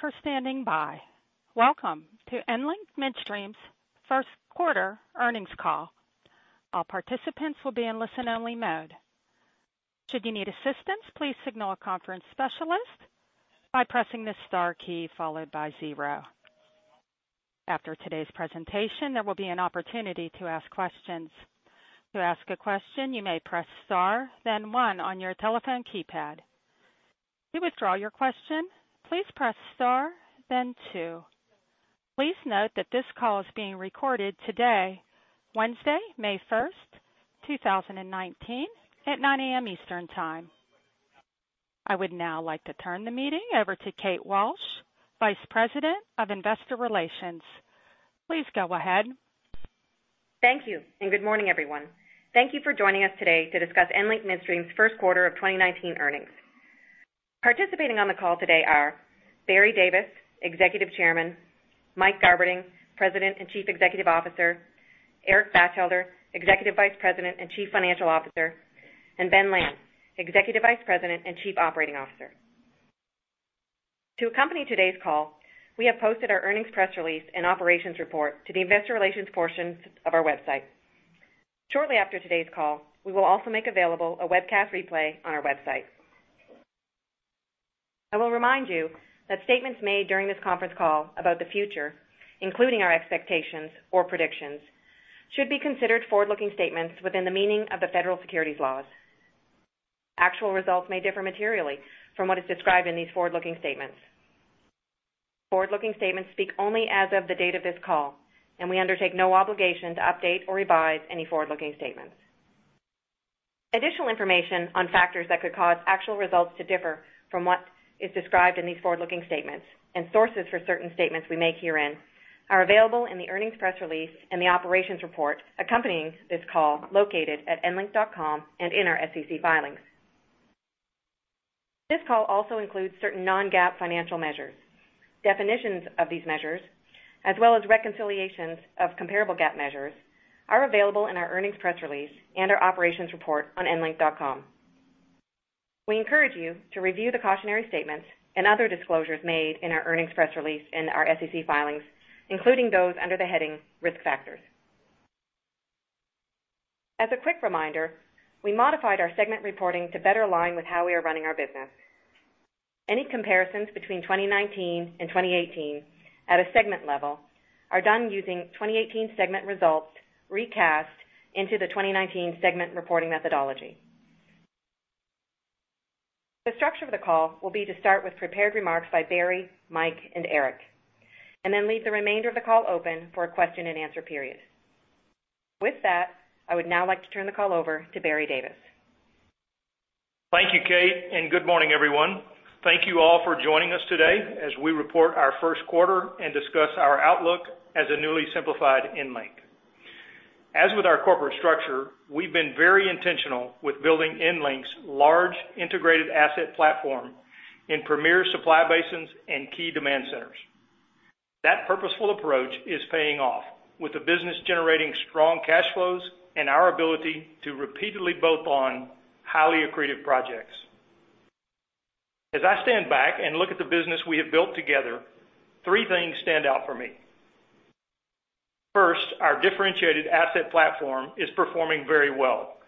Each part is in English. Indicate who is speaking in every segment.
Speaker 1: Thank you for standing by. Welcome to EnLink Midstream's first quarter earnings call. All participants will be in listen-only mode. Should you need assistance, please signal a conference specialist by pressing the star key followed by zero. After today's presentation, there will be an opportunity to ask questions. To ask a question, you may press star then one on your telephone keypad. To withdraw your question, please press star then two. Please note that this call is being recorded today, Wednesday, May 1st, 2019 at 9:00 A.M. Eastern Time. I would now like to turn the meeting over to Kate Walsh, Vice President of Investor Relations. Please go ahead.
Speaker 2: Thank you. Good morning, everyone. Thank you for joining us today to discuss EnLink Midstream's first quarter of 2019 earnings. Participating on the call today are Barry Davis, Executive Chairman; Mike Garberding, President and Chief Executive Officer; Eric Batchelder, Executive Vice President and Chief Financial Officer; Ben Lamb, Executive Vice President and Chief Operating Officer. To accompany today's call, we have posted our earnings press release and operations report to the investor relations portion of our website. Shortly after today's call, we will also make available a webcast replay on our website. I will remind you that statements made during this conference call about the future, including our expectations or predictions, should be considered forward-looking statements within the meaning of the federal securities laws. Actual results may differ materially from what is described in these forward-looking statements. Forward-looking statements speak only as of the date of this call. We undertake no obligation to update or revise any forward-looking statements. Additional information on factors that could cause actual results to differ from what is described in these forward-looking statements and sources for certain statements we make herein are available in the earnings press release and the operations report accompanying this call located at enlink.com and in our SEC filings. This call also includes certain non-GAAP financial measures. Definitions of these measures, as well as reconciliations of comparable GAAP measures, are available in our earnings press release and our operations report on enlink.com. We encourage you to review the cautionary statements and other disclosures made in our earnings press release and our SEC filings, including those under the heading Risk Factors. As a quick reminder, we modified our segment reporting to better align with how we are running our business. Any comparisons between 2019 and 2018 at a segment level are done using 2018 segment results recast into the 2019 segment reporting methodology. The structure of the call will be to start with prepared remarks by Barry, Mike, Eric, then leave the remainder of the call open for a question and answer period. With that, I would now like to turn the call over to Barry Davis.
Speaker 3: Thank you, Kate, and good morning, everyone. Thank you all for joining us today as we report our first quarter and discuss our outlook as a newly simplified EnLink. As with our corporate structure, we've been very intentional with building EnLink's large integrated asset platform in premier supply basins and key demand centers. That purposeful approach is paying off with the business generating strong cash flows and our ability to repeatedly bolt on highly accretive projects. As I stand back and look at the business we have built together, three things stand out for me. First, our differentiated asset platform is performing very well,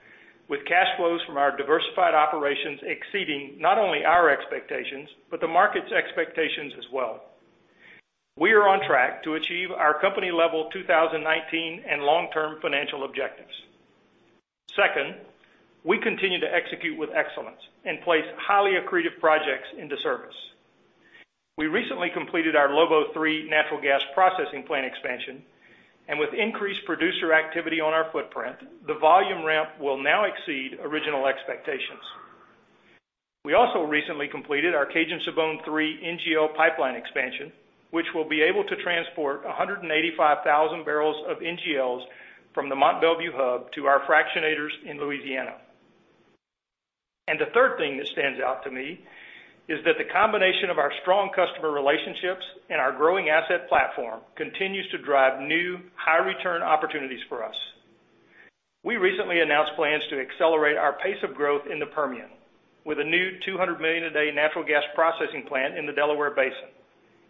Speaker 3: with cash flows from our diversified operations exceeding not only our expectations but the market's expectations as well. We are on track to achieve our company level 2019 and long-term financial objectives. Second, we continue to execute with excellence and place highly accretive projects into service. We recently completed our Lobo III natural gas processing plant expansion, and with increased producer activity on our footprint, the volume ramp will now exceed original expectations. We also recently completed our Cajun-Sibon III NGL pipeline expansion, which will be able to transport 185,000 barrels of NGLs from the Mont Belvieu hub to our fractionators in Louisiana. The third thing that stands out to me is that the combination of our strong customer relationships and our growing asset platform continues to drive new high-return opportunities for us. We recently announced plans to accelerate our pace of growth in the Permian with a new 200 million a day natural gas processing plant in the Delaware Basin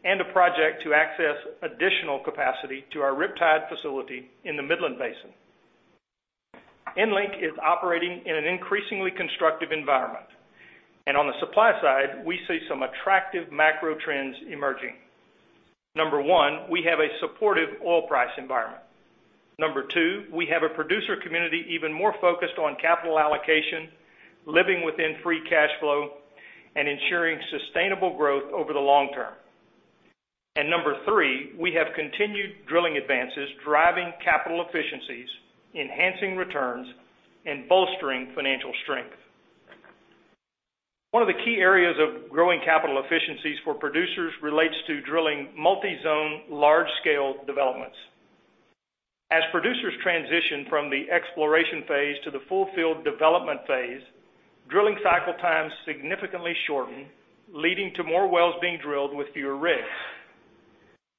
Speaker 3: and a project to access additional capacity to our Riptide facility in the Midland Basin. EnLink is operating in an increasingly constructive environment. On the supply side, we see some attractive macro trends emerging. Number one, we have a supportive oil price environment. Number two, we have a producer community even more focused on capital allocation, living within free cash flow, and ensuring sustainable growth over the long term. Number three, we have continued drilling advances driving capital efficiencies, enhancing returns, and bolstering financial strength. One of the key areas of growing capital efficiencies for producers relates to drilling multi-zone, large-scale developments. As producers transition from the exploration phase to the full field development phase, drilling cycle times significantly shorten, leading to more wells being drilled with fewer rigs.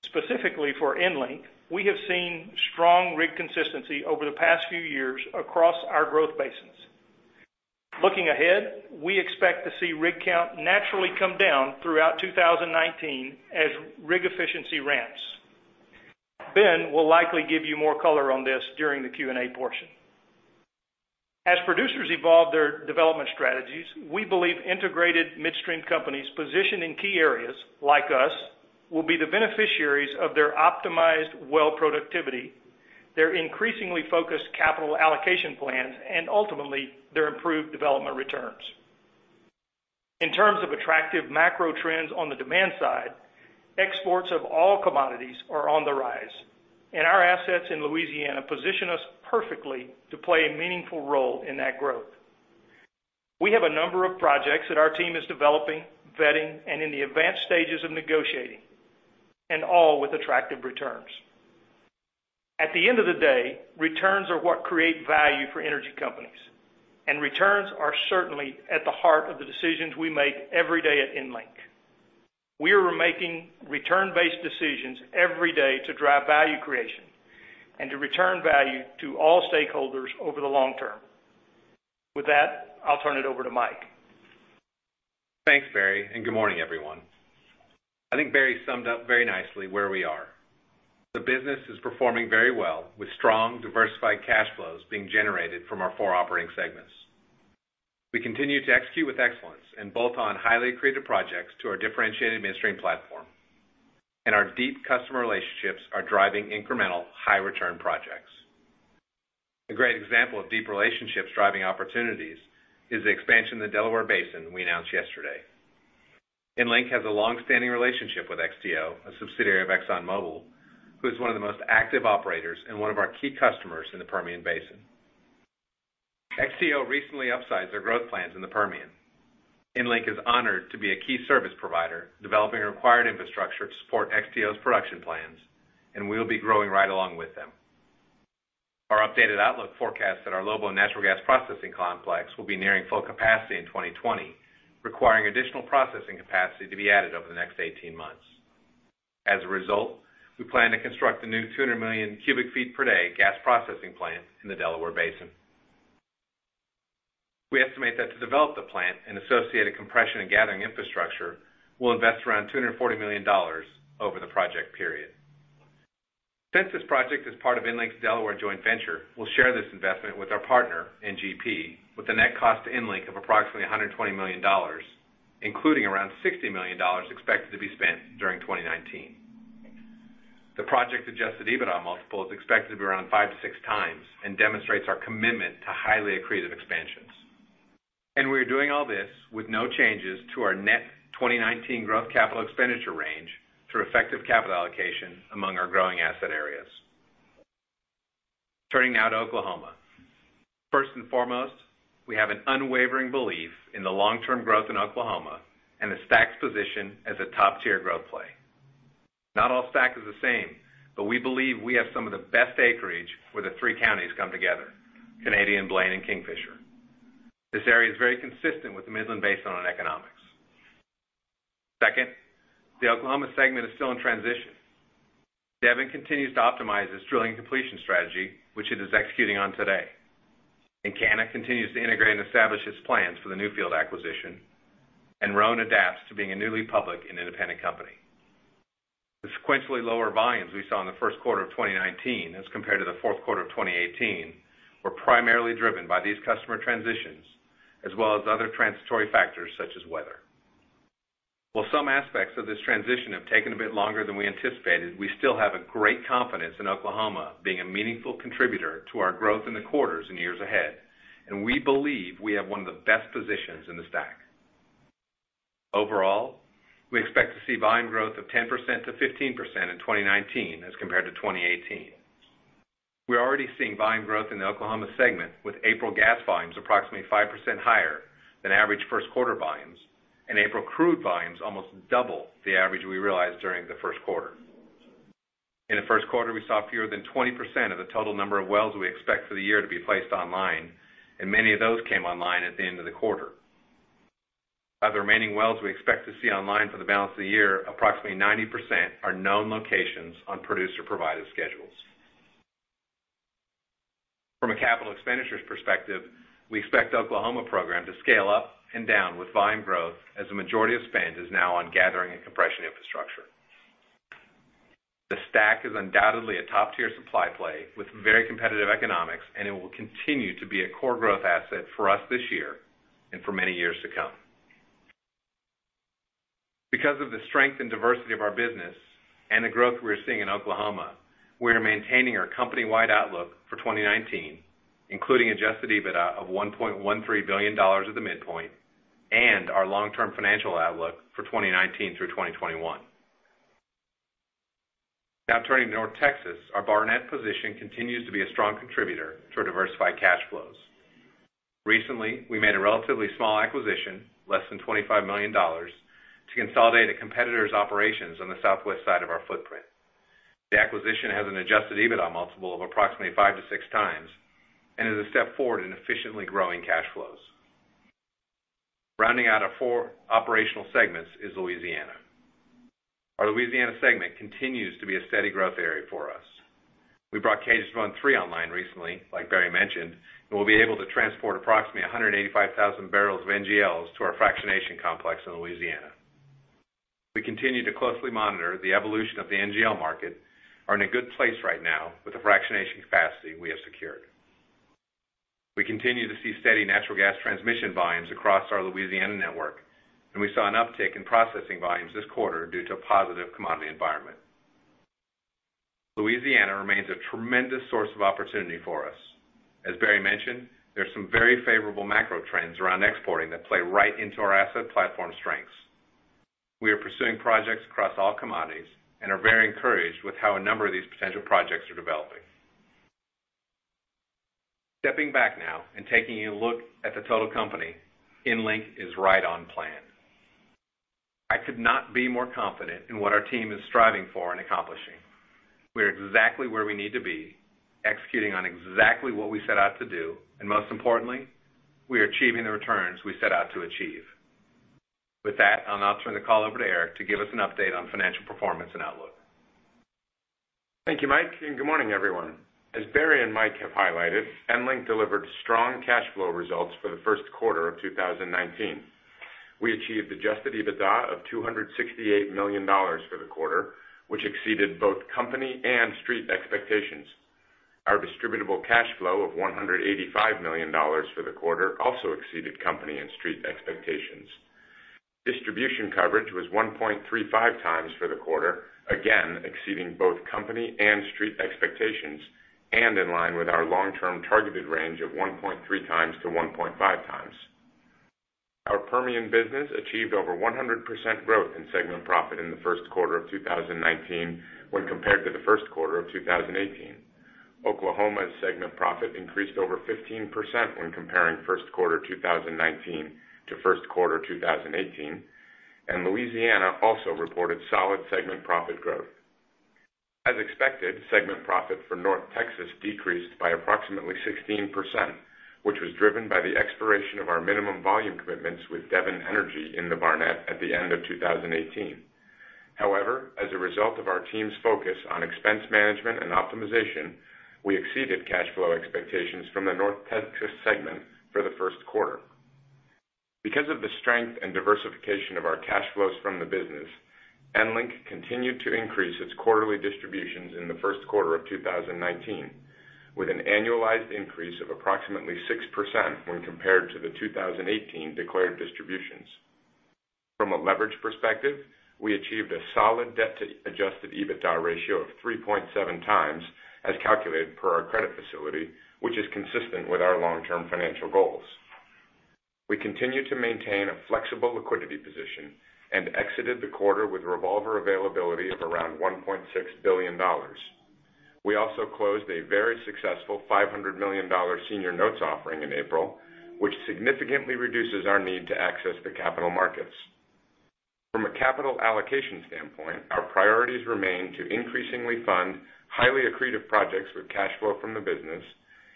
Speaker 3: Specifically for EnLink, we have seen strong rig consistency over the past few years across our growth basins. Looking ahead, we expect to see rig count naturally come down throughout 2019 as rig efficiency ramps. Ben will likely give you more color on this during the Q&A portion. As producers evolve their development strategies, we believe integrated midstream companies positioned in key areas, like us, will be the beneficiaries of their optimized well productivity, their increasingly focused capital allocation plans, and ultimately, their improved development returns. In terms of attractive macro trends on the demand side, exports of all commodities are on the rise, and our assets in Louisiana position us perfectly to play a meaningful role in that growth. We have a number of projects that our team is developing, vetting, and in the advanced stages of negotiating, and all with attractive returns. At the end of the day, returns are what create value for energy companies, and returns are certainly at the heart of the decisions we make every day at EnLink. We are making return-based decisions every day to drive value creation and to return value to all stakeholders over the long term. With that, I'll turn it over to Mike.
Speaker 4: Thanks, Barry, good morning, everyone. I think Barry summed up very nicely where we are. The business is performing very well with strong diversified cash flows being generated from our four operating segments. We continue to execute with excellence and both on highly accretive projects to our differentiated midstream platform, and our deep customer relationships are driving incremental high-return projects. A great example of deep relationships driving opportunities is the expansion in the Delaware Basin we announced yesterday. EnLink has a long-standing relationship with XTO, a subsidiary of ExxonMobil, who is one of the most active operators and one of our key customers in the Permian Basin. XTO recently upsized their growth plans in the Permian. EnLink is honored to be a key service provider, developing the required infrastructure to support XTO's production plans, and we will be growing right along with them. Our updated outlook forecasts that our Lobo natural gas processing complex will be nearing full capacity in 2020, requiring additional processing capacity to be added over the next 18 months. As a result, we plan to construct a new 200 million cubic feet per day gas processing plant in the Delaware Basin. We estimate that to develop the plant and associated compression and gathering infrastructure, we'll invest around $240 million over the project period. Since this project is part of EnLink's Delaware joint venture, we'll share this investment with our partner, NGP, with a net cost to EnLink of approximately $120 million, including around $60 million expected to be spent during 2019. The project's adjusted EBITDA multiple is expected to be around 5x-6x and demonstrates our commitment to highly accretive expansions. We're doing all this with no changes to our net 2019 growth capital expenditure range through effective capital allocation among our growing asset areas. Turning now to Oklahoma. First and foremost, we have an unwavering belief in the long-term growth in Oklahoma and the STACK's position as a top-tier growth play. Not all STACK is the same, but we believe we have some of the best acreage where the three counties come together, Canadian, Blaine, and Kingfisher. This area is very consistent with the Midland Basin on economics. Second, the Oklahoma segment is still in transition. Devon continues to optimize its drilling completion strategy, which it is executing on today. Encana continues to integrate and establish its plans for the Newfield acquisition, Roan adapts to being a newly public and independent company. The sequentially lower volumes we saw in the first quarter of 2019 as compared to the fourth quarter of 2018, were primarily driven by these customer transitions, as well as other transitory factors such as weather. While some aspects of this transition have taken a bit longer than we anticipated, we still have great confidence in Oklahoma being a meaningful contributor to our growth in the quarters and years ahead, and we believe we have one of the best positions in the STACK. Overall, we expect to see volume growth of 10%-15% in 2019 as compared to 2018. We're already seeing volume growth in the Oklahoma segment, with April gas volumes approximately 5% higher than average first quarter volumes, and April crude volumes almost double the average we realized during the first quarter. In the first quarter, we saw fewer than 20% of the total number of wells we expect for the year to be placed online, and many of those came online at the end of the quarter. Of the remaining wells we expect to see online for the balance of the year, approximately 90% are known locations on producer-provided schedules. From a capital expenditures perspective, we expect the Oklahoma program to scale up and down with volume growth as a majority of spend is now on gathering and compression infrastructure. The STACK is undoubtedly a top-tier supply play with very competitive economics, and it will continue to be a core growth asset for us this year and for many years to come. Because of the strength and diversity of our business and the growth we're seeing in Oklahoma, we are maintaining our company-wide outlook for 2019, including adjusted EBITDA of $1.13 billion at the midpoint and our long-term financial outlook for 2019 through 2021. Now turning to North Texas. Our Barnett position continues to be a strong contributor to our diversified cash flows. Recently, we made a relatively small acquisition, less than $25 million, to consolidate a competitor's operations on the southwest side of our footprint. The acquisition has an adjusted EBITDA multiple of approximately five to six times, and is a step forward in efficiently growing cash flows. Rounding out our four operational segments is Louisiana. Our Louisiana segment continues to be a steady growth area for us. We brought Cajun-Sibon III online recently, like Barry mentioned, and we'll be able to transport approximately 185,000 barrels of NGLs to our fractionation complex in Louisiana. We continue to closely monitor the evolution of the NGL market, are in a good place right now with the fractionation capacity we have secured. We continue to see steady natural gas transmission volumes across our Louisiana network, and we saw an uptick in processing volumes this quarter due to a positive commodity environment. Louisiana remains a tremendous source of opportunity for us. As Barry mentioned, there's some very favorable macro trends around exporting that play right into our asset platform strengths. We are pursuing projects across all commodities and are very encouraged with how a number of these potential projects are developing. Stepping back now and taking a look at the total company, EnLink is right on plan. I could not be more confident in what our team is striving for and accomplishing. We are exactly where we need to be, executing on exactly what we set out to do, and most importantly, we are achieving the returns we set out to achieve. With that, I'll now turn the call over to Eric to give us an update on financial performance and outlook.
Speaker 5: Thank you, Mike. Good morning, everyone. As Barry and Mike have highlighted, EnLink Midstream delivered strong cash flow results for the first quarter of 2019. We achieved adjusted EBITDA of $268 million for the quarter, which exceeded both company and Street expectations. Our distributable cash flow of $185 million for the quarter also exceeded company and Street expectations. Distribution coverage was 1.35 times for the quarter, again, exceeding both company and Street expectations, in line with our long-term targeted range of 1.3 times to 1.5 times. Our Permian business achieved over 100% growth in segment profit in the first quarter of 2019 when compared to the first quarter of 2018. Oklahoma's segment profit increased over 15% when comparing first quarter 2019 to first quarter 2018. Louisiana also reported solid segment profit growth. As expected, segment profit for North Texas decreased by approximately 16%, which was driven by the expiration of our minimum volume commitments with Devon Energy in the Barnett at the end of 2018. As a result of our team's focus on expense management and optimization, we exceeded cash flow expectations from the North Texas segment for the first quarter. Because of the strength and diversification of our cash flows from the business, EnLink Midstream continued to increase its quarterly distributions in the first quarter of 2019, with an annualized increase of approximately 6% when compared to the 2018 declared distributions. From a leverage perspective, we achieved a solid debt to adjusted EBITDA ratio of 3.7 times, as calculated per our credit facility, which is consistent with our long-term financial goals. We continue to maintain a flexible liquidity position and exited the quarter with revolver availability of around $1.6 billion. We also closed a very successful $500 million senior notes offering in April, which significantly reduces our need to access the capital markets. From a capital allocation standpoint, our priorities remain to increasingly fund highly accretive projects with cash flow from the business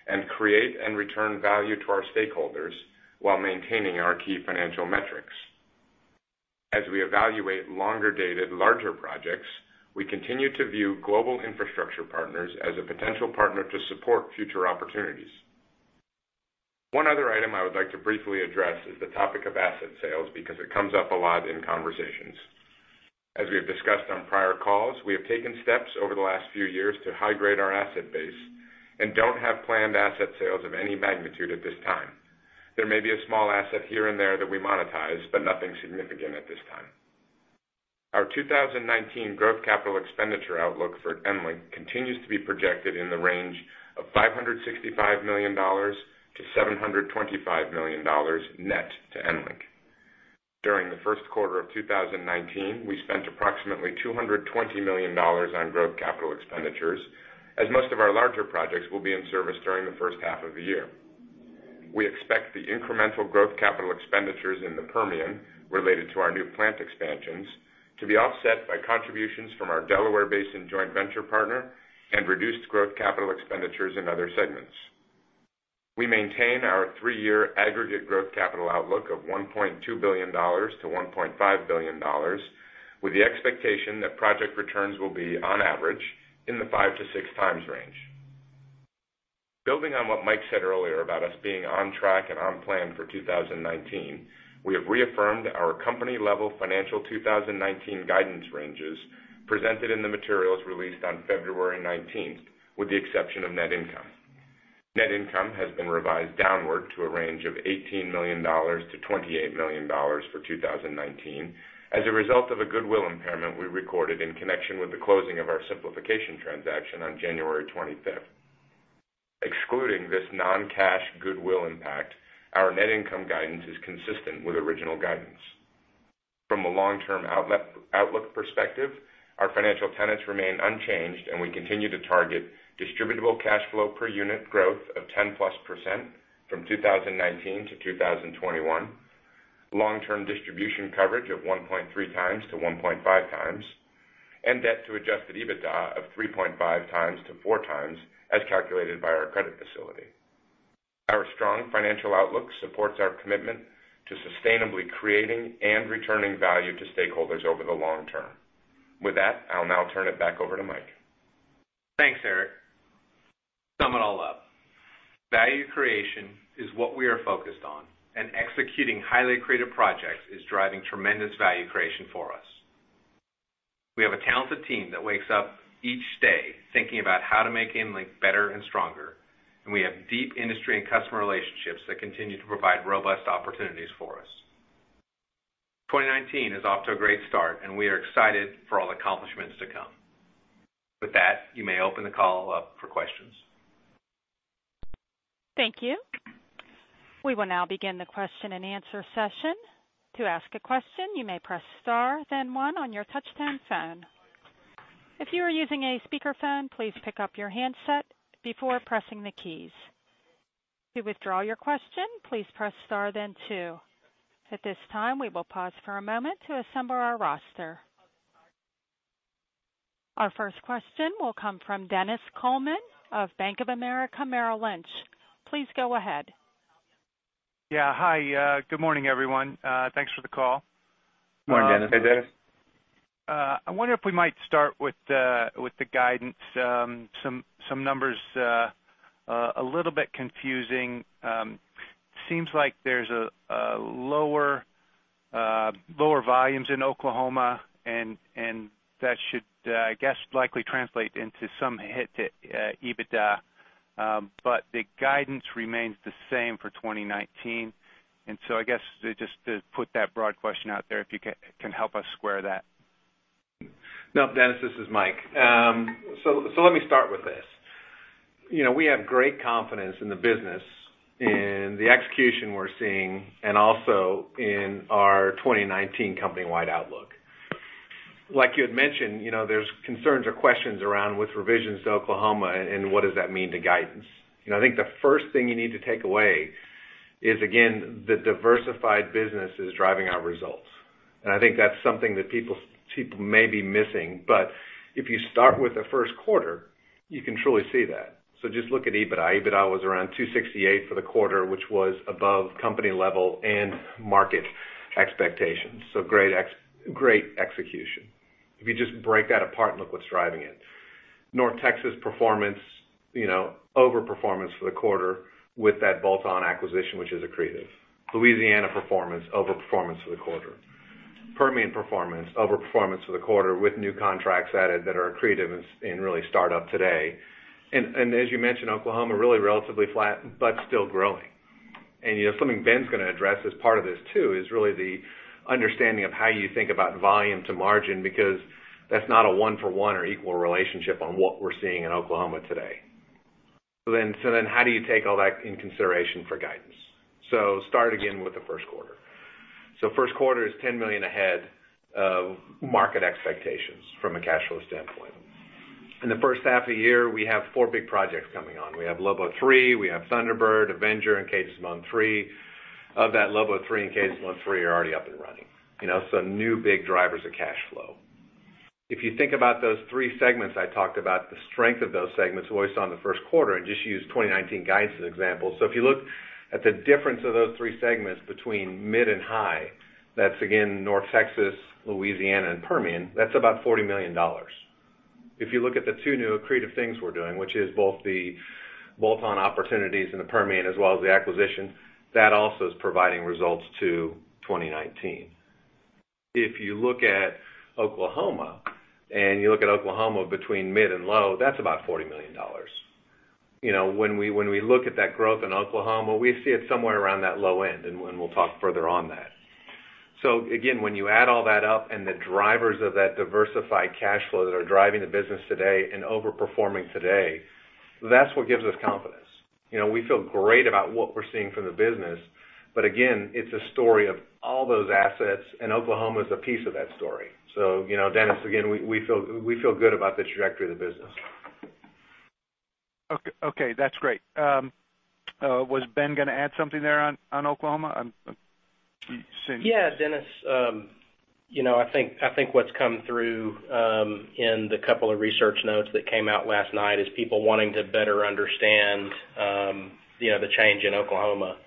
Speaker 5: and create and return value to our stakeholders while maintaining our key financial metrics. As we evaluate longer-dated, larger projects, we continue to view Global Infrastructure Partners as a potential partner to support future opportunities. One other item I would like to briefly address is the topic of asset sales, because it comes up a lot in conversations. As we have discussed on prior calls, we have taken steps over the last few years to high-grade our asset base and don't have planned asset sales of any magnitude at this time. There may be a small asset here and there that we monetize, but nothing significant at this time. Our 2019 growth capital expenditure outlook for EnLink continues to be projected in the range of $565 million to $725 million net to EnLink. During the first quarter of 2019, we spent approximately $220 million on growth capital expenditures, as most of our larger projects will be in service during the first half of the year. We expect the incremental growth capital expenditures in the Permian, related to our new plant expansions, to be offset by contributions from our Delaware Basin joint venture partner and reduced growth capital expenditures in other segments. We maintain our three-year aggregate growth capital outlook of $1.2 billion-$1.5 billion, with the expectation that project returns will be, on average, in the five to six times range. Building on what Mike said earlier about us being on track and on plan for 2019, we have reaffirmed our company-level financial 2019 guidance ranges presented in the materials released on February 19th, with the exception of net income. Net income has been revised downward to a range of $18 million-$28 million for 2019 as a result of a goodwill impairment we recorded in connection with the closing of our simplification transaction on January 25th. Excluding this non-cash goodwill impact, our net income guidance is consistent with original guidance. From a long-term outlook perspective, our financial tenets remain unchanged, and we continue to target distributable cash flow per unit growth of 10+% from 2019 to 2021, long-term distribution coverage of 1.3x-1.5x, and debt to adjusted EBITDA of 3.5x-4x as calculated by our credit facility. Our strong financial outlook supports our commitment to sustainably creating and returning value to stakeholders over the long term. With that, I'll now turn it back over to Mike.
Speaker 4: Thanks, Eric. To sum it all up, value creation is what we are focused on, executing highly creative projects is driving tremendous value creation for us. We have a talented team that wakes up each day thinking about how to make EnLink better and stronger, and we have deep industry and customer relationships that continue to provide robust opportunities for us. 2019 is off to a great start, and we are excited for all accomplishments to come. With that, you may open the call up for questions.
Speaker 1: Thank you. We will now begin the question and answer session. To ask a question, you may press star, then one on your touchtone phone. If you are using a speakerphone, please pick up your handset before pressing the keys. To withdraw your question, please press star, then two. At this time, we will pause for a moment to assemble our roster. Our first question will come from Dennis Coleman of Bank of America Merrill Lynch. Please go ahead.
Speaker 6: Yeah. Hi. Good morning, everyone. Thanks for the call.
Speaker 4: Good morning, Dennis.
Speaker 7: Hey, Dennis.
Speaker 6: I wonder if we might start with the guidance. Some numbers are a little bit confusing. Seems like there's lower volumes in Oklahoma, that should, I guess, likely translate into some hit to EBITDA. The guidance remains the same for 2019. I guess, just to put that broad question out there, if you can help us square that.
Speaker 4: No, Dennis, this is Mike. Let me start with this. We have great confidence in the business, in the execution we're seeing, and also in our 2019 company-wide outlook. Like you had mentioned, there's concerns or questions around with revisions to Oklahoma and what does that mean to guidance. I think the first thing you need to take away is, again, the diversified business is driving our results. I think that's something that people may be missing. If you start with the first quarter, you can truly see that. Just look at EBITDA. EBITDA was around $268 for the quarter, which was above company level and market expectations. Great execution. If you just break that apart and look what's driving it. North Texas performance, over performance for the quarter with that bolt-on acquisition, which is accretive. Louisiana performance, over performance for the quarter. Permian performance, over performance for the quarter with new contracts added that are accretive and really start up today. As you mentioned, Oklahoma, really relatively flat, but still growing. Something Ben's going to address as part of this too, is really the understanding of how you think about volume to margin, because that's not a 1 for 1 or equal relationship on what we're seeing in Oklahoma today. How do you take all that in consideration for guidance? Start again with the first quarter. First quarter is $10 million ahead of market expectations from a cash flow standpoint. In the first half of the year, we have four big projects coming on. We have Lobo III, we have Thunderbird, Avenger, and Cajun-Sibon III. Of that, Lobo III and Cajun-Sibon III are already up and running. New big drivers of cash flow. If you think about those three segments I talked about, the strength of those segments voiced on the first quarter, just use 2019 guidance as an example. If you look at the difference of those three segments between mid and high, that's again, North Texas, Louisiana, and Permian, that's about $40 million. If you look at the two new accretive things we're doing, which is both the bolt-on opportunities in the Permian as well as the acquisition, that also is providing results to 2019. If you look at Oklahoma, you look at Oklahoma between mid and low, that's about $40 million. When we look at that growth in Oklahoma, we see it somewhere around that low end, and we'll talk further on that. Again, when you add all that up and the drivers of that diversified cash flow that are driving the business today and overperforming today, that's what gives us confidence. We feel great about what we're seeing from the business. Again, it's a story of all those assets, and Oklahoma's a piece of that story. Dennis, again, we feel good about the trajectory of the business.
Speaker 6: Okay. That's great. Was Ben going to add something there on Oklahoma? I'm seeing
Speaker 7: Yeah, Dennis. I think what's come through in the couple of research notes that came out last night is people wanting to better understand the change in Oklahoma.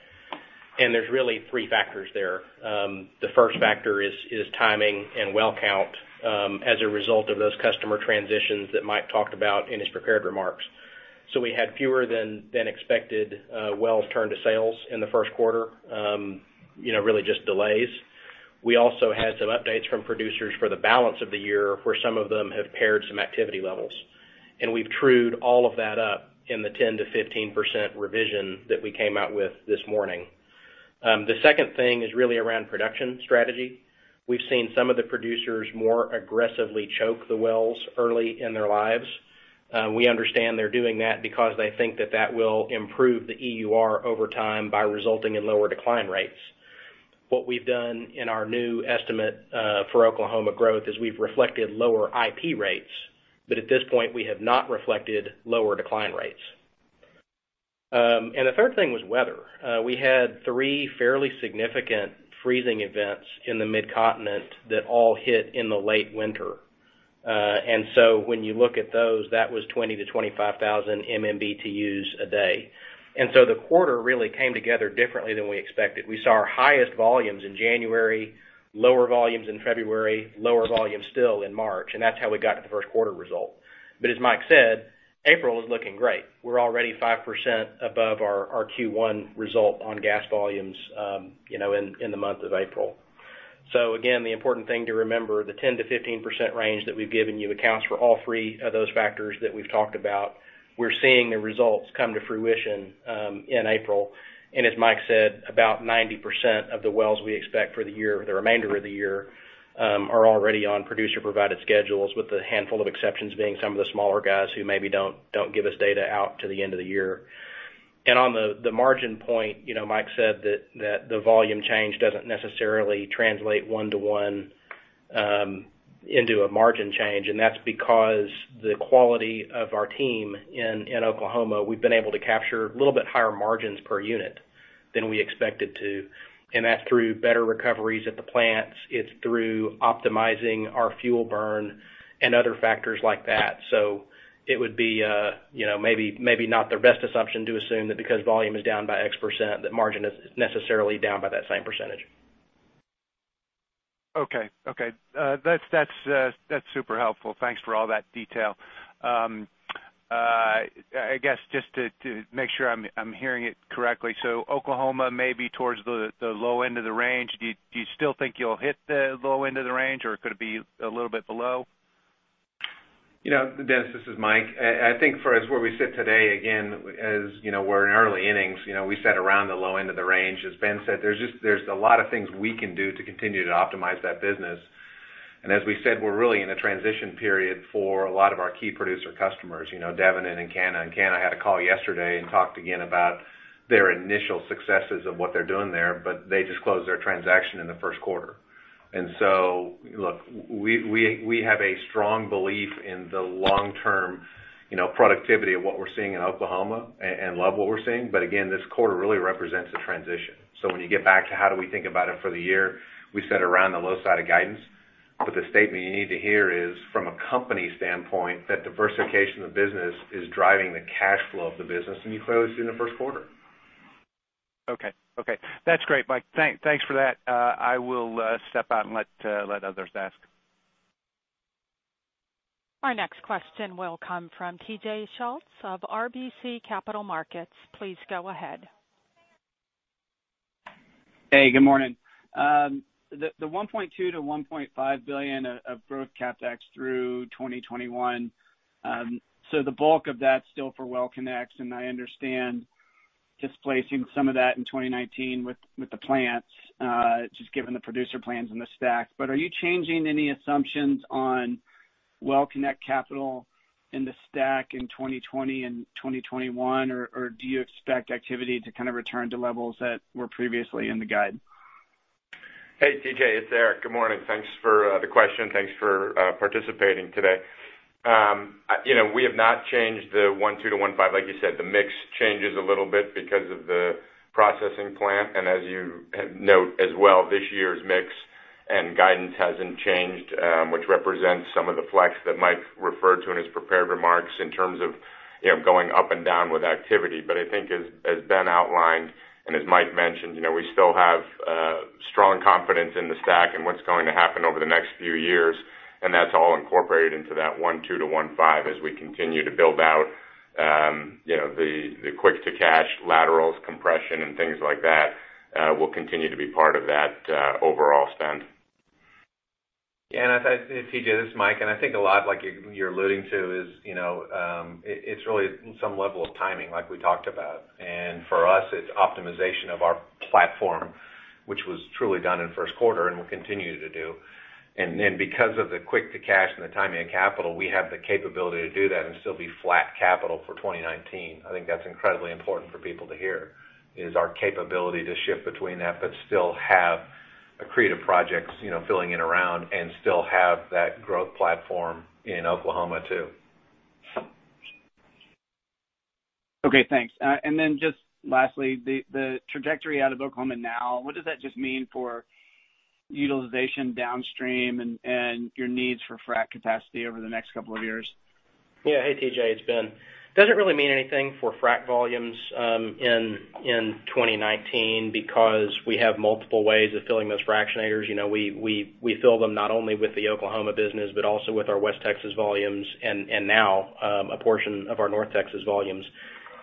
Speaker 7: There's really three factors there. The first factor is timing and well count as a result of those customer transitions that Mike talked about in his prepared remarks. We had fewer than expected wells turned to sales in the first quarter. Really just delays. We also had some updates from producers for the balance of the year, where some of them have pared some activity levels. We've trued all of that up in the 10%-15% revision that we came out with this morning. The second thing is really around production strategy. We've seen some of the producers more aggressively choke the wells early in their lives. We understand they're doing that because they think that that will improve the EUR over time by resulting in lower decline rates. What we've done in our new estimate for Oklahoma growth is we've reflected lower IP rates. At this point, we have not reflected lower decline rates. The third thing was weather. We had three fairly significant freezing events in the Midcontinent that all hit in the late winter. When you look at those, that was 20,000-25,000 MMBtu a day. The quarter really came together differently than we expected. We saw our highest volumes in January, lower volumes in February, lower volumes still in March, and that's how we got to the first quarter result. As Mike said, April is looking great. We're already 5% above our Q1 result on gas volumes in the month of April. Again, the important thing to remember, the 10%-15% range that we've given you accounts for all three of those factors that we've talked about. We're seeing the results come to fruition in April. As Mike said, about 90% of the wells we expect for the remainder of the year are already on producer-provided schedules with a handful of exceptions being some of the smaller guys who maybe don't give us data out to the end of the year. On the margin point, Mike said that the volume change doesn't necessarily translate one-to-one into a margin change, and that's because the quality of our team in Oklahoma, we've been able to capture a little bit higher margins per unit than we expected to. That's through better recoveries at the plants, it's through optimizing our fuel burn and other factors like that. It would be maybe not the best assumption to assume that because volume is down by X%, that margin is necessarily down by that same percentage.
Speaker 6: Okay. That's super helpful. Thanks for all that detail. I guess just to make sure I'm hearing it correctly. Oklahoma may be towards the low end of the range. Do you still think you'll hit the low end of the range, or could it be a little bit below?
Speaker 4: Dennis, this is Mike. I think for us where we sit today, again, as we're in early innings, we said around the low end of the range. As Ben said, there's a lot of things we can do to continue to optimize that business. As we said, we're really in a transition period for a lot of our key producer customers, Devon and Encana. Encana had a call yesterday and talked again about their initial successes of what they're doing there, but they just closed their transaction in the first quarter. Look, we have a strong belief in the long-term productivity of what we're seeing in Oklahoma and love what we're seeing. Again, this quarter really represents a transition. When you get back to how do we think about it for the year, we said around the low side of guidance. The statement you need to hear is from a company standpoint, that diversification of business is driving the cash flow of the business, and you clearly see in the first quarter.
Speaker 6: That's great, Mike. Thanks for that. I will step out and let others ask.
Speaker 1: Our next question will come from T.J. Schultz of RBC Capital Markets. Please go ahead.
Speaker 8: Hey, good morning. The $1.2 billion-$1.5 billion of growth CapEx through 2021. The bulk of that's still for well connects, and I understand displacing some of that in 2019 with the plants, just given the producer plans and the STACK. Are you changing any assumptions on well connect capital in the STACK in 2020 and 2021, or do you expect activity to kind of return to levels that were previously in the guide?
Speaker 5: Hey, T.J., it's Eric. Good morning. Thanks for the question. Thanks for participating today. We have not changed the $1.2-$1.5. Like you said, the mix changes a little bit because of the processing plant. As you note as well, this year's mix and guidance hasn't changed, which represents some of the flex that Mike referred to in his prepared remarks in terms of going up and down with activity. I think as Ben outlined and as Mike mentioned, we still have strong confidence in the STACK and what's going to happen over the next few years, and that's all incorporated into that $1.2-$1.5 as we continue to build out the quick to cash laterals compression and things like that will continue to be part of that overall spend.
Speaker 4: T.J., this is Mike. I think a lot like you're alluding to is, it's really some level of timing like we talked about. For us, it's optimization of our platform, which was truly done in first quarter and we'll continue to do. Because of the quick to cash and the timing of capital, we have the capability to do that and still be flat capital for 2019. I think that's incredibly important for people to hear, is our capability to shift between that, but still have accretive projects filling in around and still have that growth platform in Oklahoma too.
Speaker 8: Okay, thanks. Just lastly, the trajectory out of Oklahoma now, what does that just mean for utilization downstream and your needs for frack capacity over the next couple of years?
Speaker 7: Yeah. Hey, T.J., it's Ben. Doesn't really mean anything for frack volumes in 2019 because we have multiple ways of filling those fractionators. We fill them not only with the Oklahoma business, but also with our West Texas volumes and now a portion of our North Texas volumes,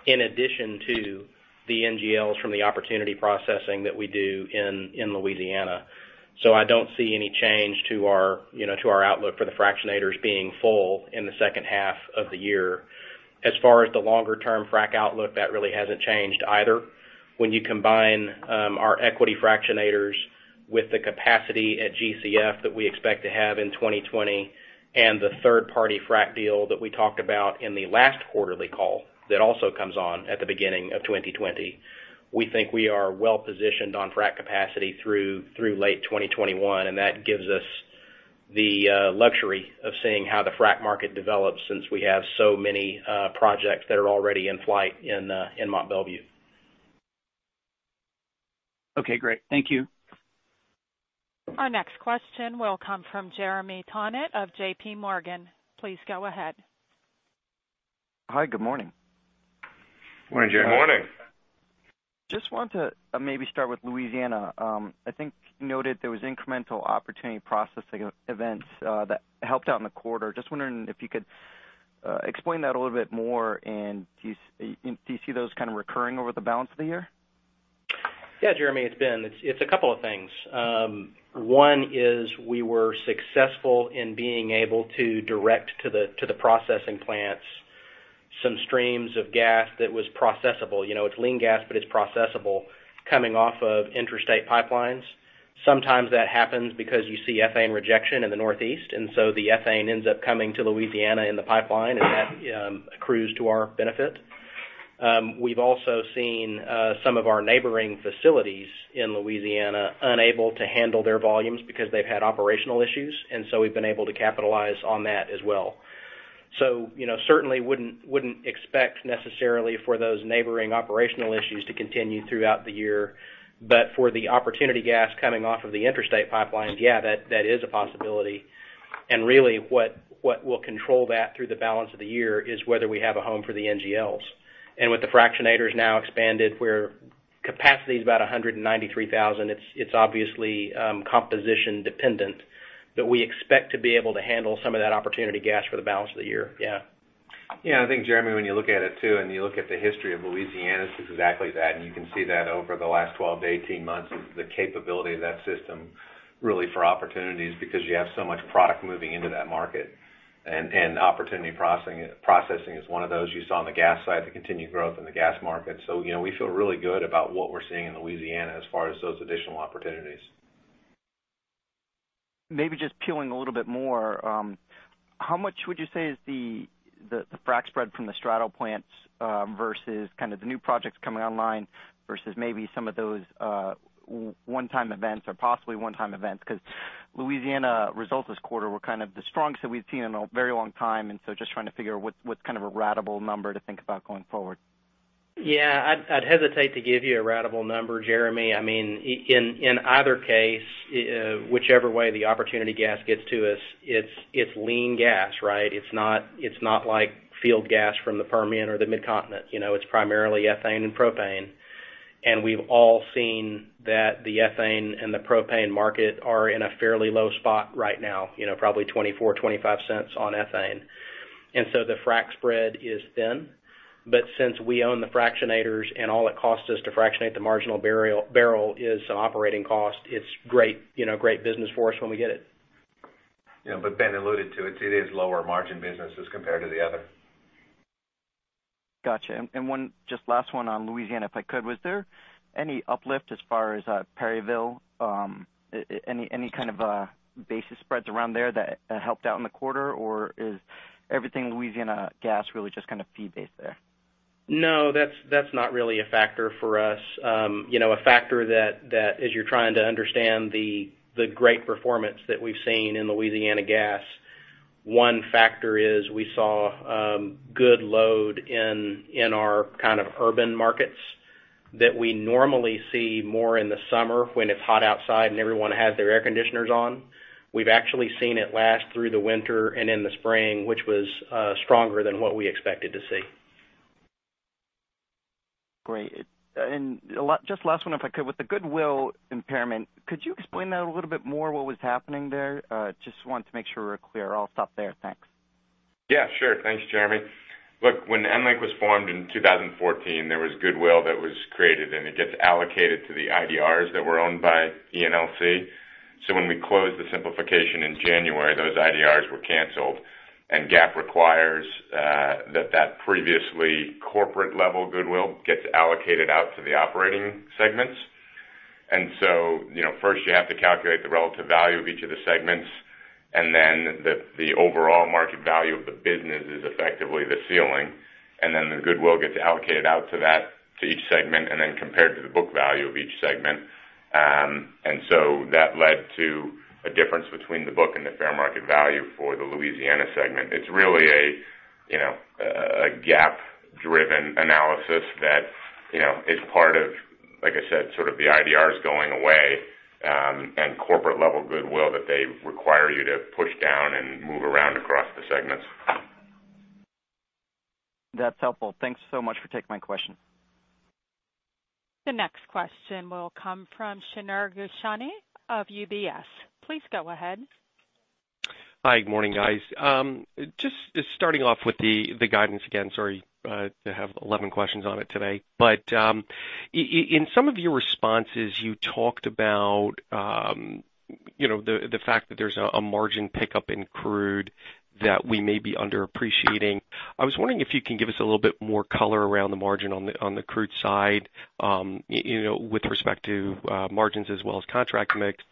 Speaker 7: in addition to the NGLs from the opportunity processing that we do in Louisiana. I don't see any change to our outlook for the fractionators being full in the second half of the year. As far as the longer-term frack outlook, that really hasn't changed either. When you combine our equity fractionators with the capacity at GCF that we expect to have in 2020 and the third-party frack deal that we talked about in the last quarterly call that also comes on at the beginning of 2020. We think we are well-positioned on frack capacity through late 2021, and that gives us the luxury of seeing how the frack market develops since we have so many projects that are already in flight in Mont Belvieu.
Speaker 8: Okay, great. Thank you.
Speaker 1: Our next question will come from Jeremy Tonet of J.P. Morgan. Please go ahead.
Speaker 9: Hi, good morning.
Speaker 5: Morning, Jeremy. Morning.
Speaker 9: Just want to maybe start with Louisiana. I think you noted there was incremental opportunity processing events that helped out in the quarter. Just wondering if you could explain that a little bit more, and do you see those kind of recurring over the balance of the year?
Speaker 7: Yeah, Jeremy, it's a couple of things. One is we were successful in being able to direct to the processing plants some streams of gas that was processable. It's lean gas, but it's processable coming off of interstate pipelines. Sometimes that happens because you see ethane rejection in the Northeast. The ethane ends up coming to Louisiana in the pipeline. That accrues to our benefit. We've also seen some of our neighboring facilities in Louisiana unable to handle their volumes because they've had operational issues. We've been able to capitalize on that as well. Certainly wouldn't expect necessarily for those neighboring operational issues to continue throughout the year. For the opportunity gas coming off of the interstate pipelines, yeah, that is a possibility. Really, what will control that through the balance of the year is whether we have a home for the NGLs. With the fractionators now expanded, where capacity is about 193,000, it's obviously composition-dependent. We expect to be able to handle some of that opportunity gas for the balance of the year. Yeah.
Speaker 5: Yeah, I think, Jeremy, when you look at it too, and you look at the history of Louisiana, it's exactly that. You can see that over the last 12 to 18 months, the capability of that system really for opportunities, because you have so much product moving into that market. Opportunity processing is one of those you saw on the gas side, the continued growth in the gas market. We feel really good about what we're seeing in Louisiana as far as those additional opportunities.
Speaker 9: Maybe just peeling a little bit more. How much would you say is the frac spread from the straddle plants versus the new projects coming online versus maybe some of those one-time events or possibly one-time events? Because Louisiana results this quarter were the strongest that we've seen in a very long time, so just trying to figure out what's kind of a ratable number to think about going forward.
Speaker 7: Yeah, I'd hesitate to give you a ratable number, Jeremy. In either case, whichever way the opportunity gas gets to us, it's lean gas. It's not like field gas from the Permian or the Midcontinent. It's primarily ethane and propane. We've all seen that the ethane and the propane market are in a fairly low spot right now, probably $0.24, $0.25 on ethane. The frac spread is thin, but since we own the fractionators and all it costs us to fractionate the marginal barrel is operating cost, it's great business for us when we get it.
Speaker 5: Ben alluded to it. It is lower margin business as compared to the other.
Speaker 9: Got you. Just last one on Louisiana, if I could. Was there any uplift as far as Perryville? Any kind of basis spreads around there that helped out in the quarter, or is everything Louisiana gas really just kind of fee-based there?
Speaker 7: No, that's not really a factor for us. A factor that as you're trying to understand the great performance that we've seen in Louisiana gas, one factor is we saw good load in our kind of urban markets that we normally see more in the summer when it's hot outside and everyone has their air conditioners on. We've actually seen it last through the winter and in the spring, which was stronger than what we expected to see.
Speaker 9: Great. Just last one, if I could. With the goodwill impairment, could you explain that a little bit more, what was happening there? Just want to make sure we're clear. I'll stop there. Thanks.
Speaker 5: Yeah, sure. Thanks, Jeremy. Look, when EnLink was formed in 2014, there was goodwill that was created, and it gets allocated to the IDRs that were owned by ENLC. When we closed the simplification in January, those IDRs were canceled. GAAP requires that previously corporate-level goodwill gets allocated out to the operating segments. First you have to calculate the relative value of each of the segments. The overall market value of the business is effectively the ceiling. The goodwill gets allocated out to each segment, then compared to the book value of each segment. That led to a difference between the book and the fair market value for the Louisiana segment. It's really a GAAP-driven analysis that is part of, like I said, sort of the IDRs going away, and corporate-level goodwill that they require you to push down and move around across the segments.
Speaker 9: That's helpful. Thanks so much for taking my question.
Speaker 1: The next question will come from Shneur Gershuni of UBS. Please go ahead.
Speaker 10: Hi, good morning, guys. Just starting off with the guidance again, sorry to have 11 questions on it today, but in some of your responses, you talked about the fact that there's a margin pickup in crude that we may be underappreciating. I was wondering if you can give us a little bit more color around the margin on the crude side with respect to margins as well as contract mix.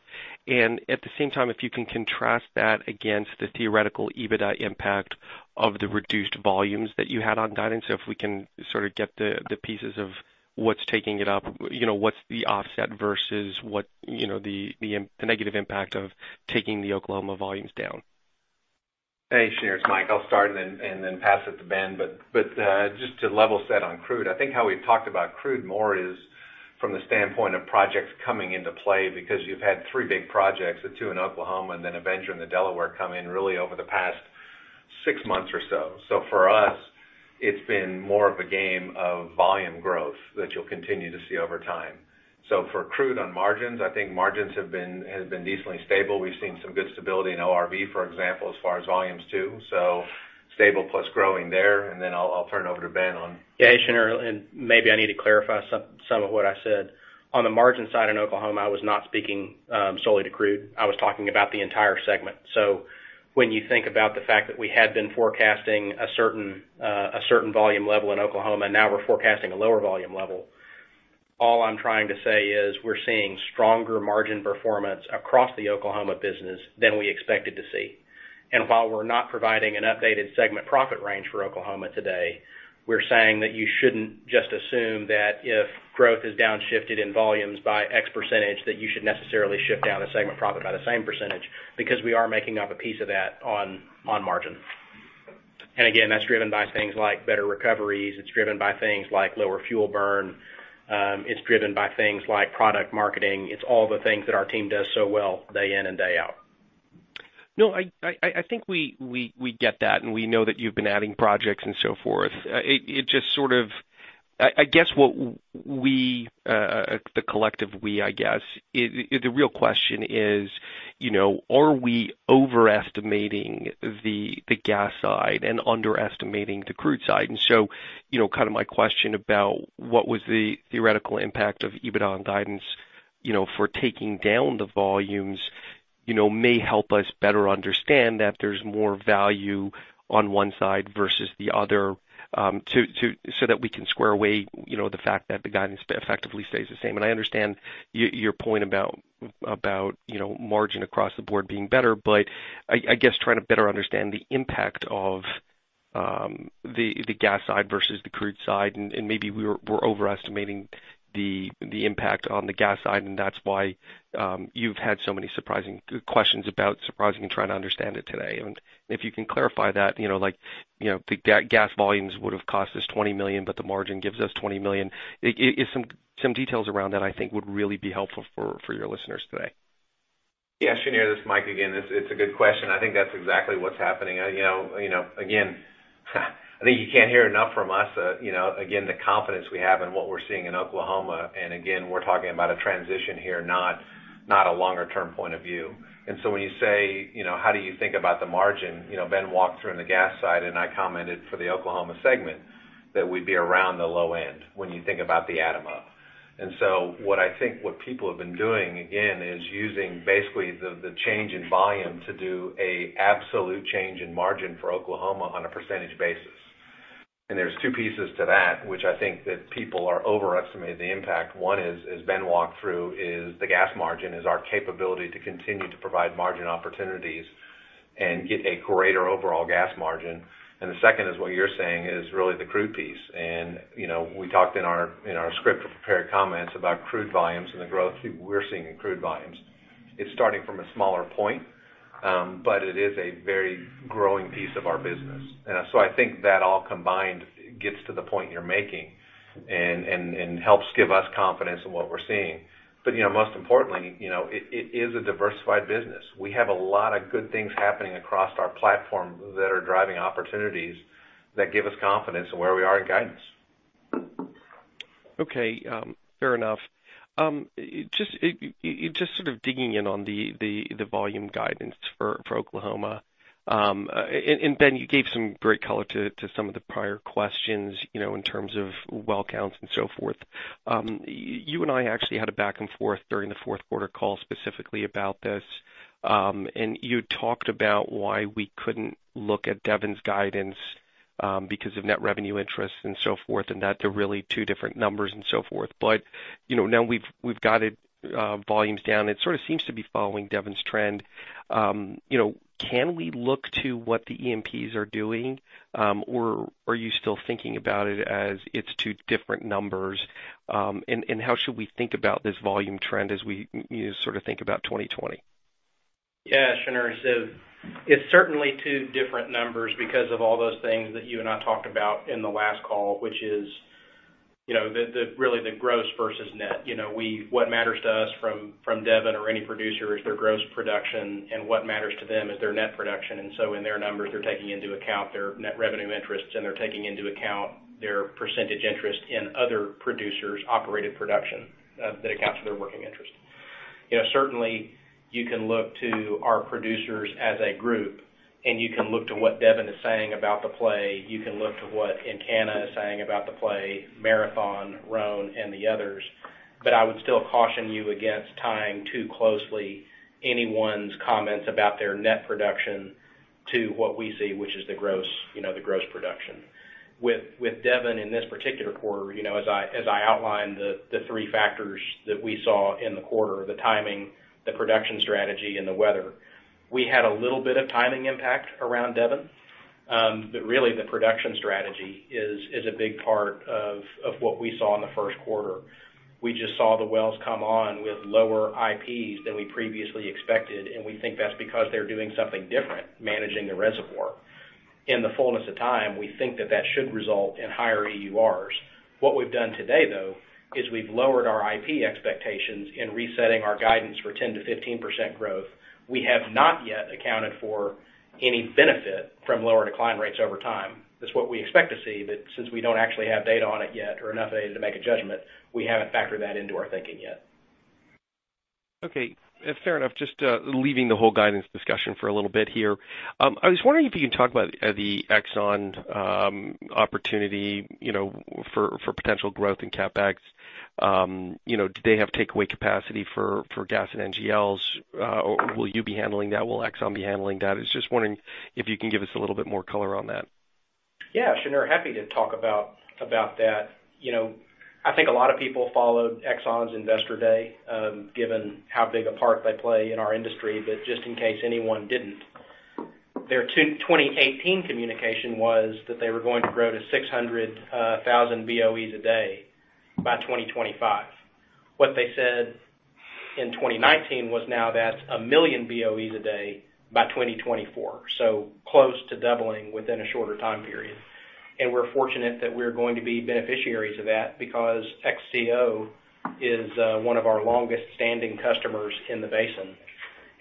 Speaker 10: At the same time, if you can contrast that against the theoretical EBITDA impact of the reduced volumes that you had on guidance. If we can sort of get the pieces of what's taking it up, what's the offset versus the negative impact of taking the Oklahoma volumes down?
Speaker 4: Hey, Shneur. It's Mike. I'll start and then pass it to Ben. Just to level set on crude, I think how we've talked about crude more is from the standpoint of projects coming into play, because you've had three big projects, the two in Oklahoma, and then Avenger in the Delaware come in really over the past six months or so. For us, it's been more of a game of volume growth that you'll continue to see over time. For crude on margins, I think margins have been decently stable. We've seen some good stability in ORV, for example, as far as volumes too. Stable plus growing there, and then I'll turn it over to Ben on.
Speaker 7: Yeah, Shneur, maybe I need to clarify some of what I said. On the margin side in Oklahoma, I was not speaking solely to crude. I was talking about the entire segment. When you think about the fact that we had been forecasting a certain volume level in Oklahoma, now we're forecasting a lower volume level. All I'm trying to say is we're seeing stronger margin performance across the Oklahoma business than we expected to see. While we're not providing an updated segment profit range for Oklahoma today, we're saying that you shouldn't just assume that if growth is downshifted in volumes by X%, that you should necessarily shift down a segment profit by the same %, because we are making up a piece of that on margin. Again, that's driven by things like better recoveries. It's driven by things like lower fuel burn. It's driven by things like product marketing. It's all the things that our team does so well day in and day out.
Speaker 10: I think we get that, and we know that you've been adding projects and so forth. I guess what we, the collective we, I guess, the real question is, are we overestimating the gas side and underestimating the crude side? Kind of my question about what was the theoretical impact of EBITDA on guidance for taking down the volumes may help us better understand that there's more value on one side versus the other, so that we can square away the fact that the guidance effectively stays the same. I understand your point about margin across the board being better, but I guess trying to better understand the impact of the gas side versus the crude side, and maybe we're overestimating the impact on the gas side, and that's why you've had so many surprising questions about surprising and trying to understand it today. If you can clarify that, like the gas volumes would have cost us $20 million, but the margin gives us $20 million. Some details around that I think would really be helpful for your listeners today.
Speaker 4: Shneur, this is Mike again. It's a good question. I think that's exactly what's happening. I think you can't hear enough from us. The confidence we have in what we're seeing in Oklahoma, and we're talking about a transition here, not a longer term point of view. When you say, how do you think about the margin? Ben walked through on the gas side, and I commented for the Oklahoma segment that we'd be around the low end when you think about the outlook. What I think what people have been doing again, is using basically the change in volume to do an absolute change in margin for Oklahoma on a percentage basis. There's two pieces to that, which I think that people are overestimating the impact. One is, as Ben walked through, is the gas margin is our capability to continue to provide margin opportunities and get a greater overall gas margin. The second is what you're saying is really the crude piece. We talked in our script of prepared comments about crude volumes and the growth we're seeing in crude volumes. It's starting from a smaller point, but it is a very growing piece of our business. I think that all combined gets to the point you're making and helps give us confidence in what we're seeing. Most importantly, it is a diversified business. We have a lot of good things happening across our platform that are driving opportunities that give us confidence in where we are in guidance.
Speaker 10: Fair enough. Just sort of digging in on the volume guidance for Oklahoma. Ben, you gave some great color to some of the prior questions, in terms of well counts and so forth. You and I actually had a back and forth during the fourth quarter call specifically about this. You talked about why we couldn't look at Devon's guidance, because of net revenue interest and so forth, and that they're really two different numbers and so forth. Now we've got volumes down. It sort of seems to be following Devon's trend. Can we look to what the EMPs are doing? Are you still thinking about it as it's two different numbers? How should we think about this volume trend as we sort of think about 2020?
Speaker 7: Shneur. It's certainly two different numbers because of all those things that you and I talked about in the last call, which is really the gross versus net. What matters to us from Devon or any producer is their gross production, and what matters to them is their net production. In their numbers, they're taking into account their net revenue interests, and they're taking into account their percentage interest in other producers' operated production that accounts for their working interest. Certainly, you can look to our producers as a group, and you can look to what Devon is saying about the play. You can look to what Encana is saying about the play, Marathon, Roan, and the others. I would still caution you against tying too closely anyone's comments about their net production to what we see, which is the gross production. With Devon in this particular quarter, as I outlined the three factors that we saw in the quarter, the timing, the production strategy, and the weather. We had a little bit of timing impact around Devon. Really the production strategy is a big part of what we saw in the first quarter. We just saw the wells come on with lower IPs than we previously expected, and we think that's because they're doing something different, managing the reservoir. In the fullness of time, we think that that should result in higher EURs. What we've done today, though, is we've lowered our IP expectations in resetting our guidance for 10%-15% growth. We have not yet accounted for any benefit from lower decline rates over time. That's what we expect to see, that since we don't actually have data on it yet or enough data to make a judgment, we haven't factored that into our thinking yet.
Speaker 10: Okay. Fair enough. Just leaving the whole guidance discussion for a little bit here. I was wondering if you can talk about the Exxon opportunity for potential growth in CapEx. Do they have takeaway capacity for gas and NGLs? Will you be handling that? Will Exxon be handling that? I was just wondering if you can give us a little bit more color on that.
Speaker 7: Yeah, sure. Happy to talk about that. I think a lot of people followed Exxon's Investor Day, given how big a part they play in our industry. Just in case anyone didn't, their 2018 communication was that they were going to grow to 600,000 BOEs a day by 2025. What they said in 2019 was now that's 1 million BOEs a day by 2024. Close to doubling within a shorter time period. We're fortunate that we're going to be beneficiaries of that because XTO is one of our longest-standing customers in the basin.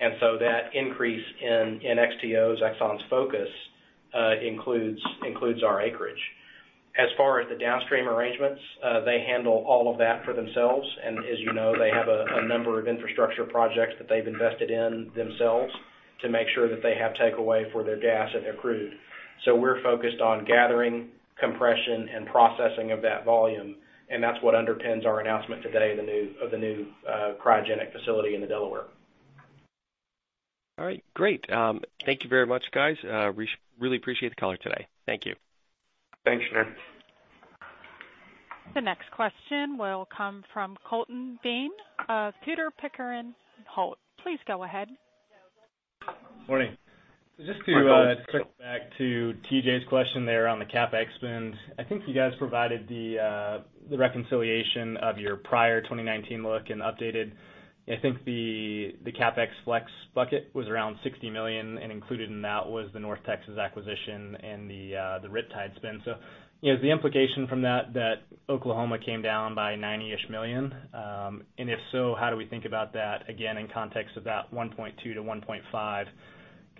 Speaker 7: That increase in XTO's, Exxon's focus, includes our acreage. As far as the downstream arrangements, they handle all of that for themselves, and as you know, they have a number of infrastructure projects that they've invested in themselves to make sure that they have takeaway for their gas and their crude. We're focused on gathering, compression, and processing of that volume, and that's what underpins our announcement today of the new cryogenic facility in the Delaware.
Speaker 10: All right. Great. Thank you very much, guys. Really appreciate the call today. Thank you.
Speaker 7: Thanks, Shneur.
Speaker 1: The next question will come from Colton Bean of Tudor, Pickering, Holt. Please go ahead.
Speaker 11: Morning.
Speaker 7: Hi, Colton.
Speaker 11: Just to circle back to T.J.'s question there on the CapEx spend. I think you guys provided the reconciliation of your prior 2019 look and updated. I think the CapEx flex bucket was around $60 million, included in that was the North Texas acquisition and the Riptide spend. Is the implication from that that Oklahoma came down by $90 million? If so, how do we think about that again in context of that $1.2 billion-$1.5 billion?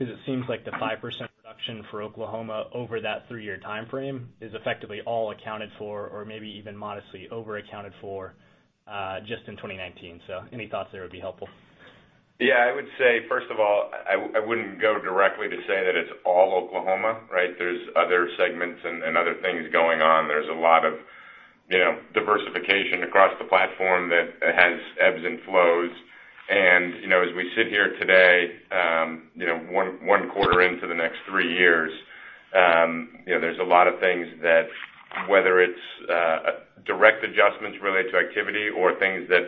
Speaker 11: It seems like the 5% reduction for Oklahoma over that three-year timeframe is effectively all accounted for or maybe even modestly over accounted for just in 2019. Any thoughts there would be helpful.
Speaker 5: I would say, first of all, I wouldn't go directly to say that it's all Oklahoma, right? There's other segments and other things going on. There's a lot of diversification across the platform that has ebbs and flows. As we sit here today, one quarter into the next three years, there's a lot of things that whether it's direct adjustments related to activity or things that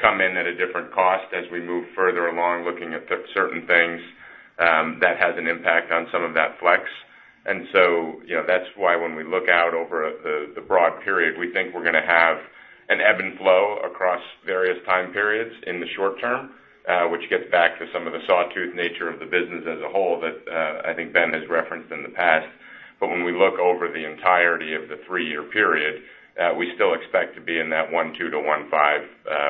Speaker 5: come in at a different cost as we move further along looking at certain things, that has an impact on some of that flex. That's why when we look out over the broad period, we think we're going to have an ebb and flow across various time periods in the short term, which gets back to some of the sawtooth nature of the business as a whole that I think Ben has referenced in the past. When we look over the entirety of the three-year period, we still expect to be in that $1.2 billion-$1.5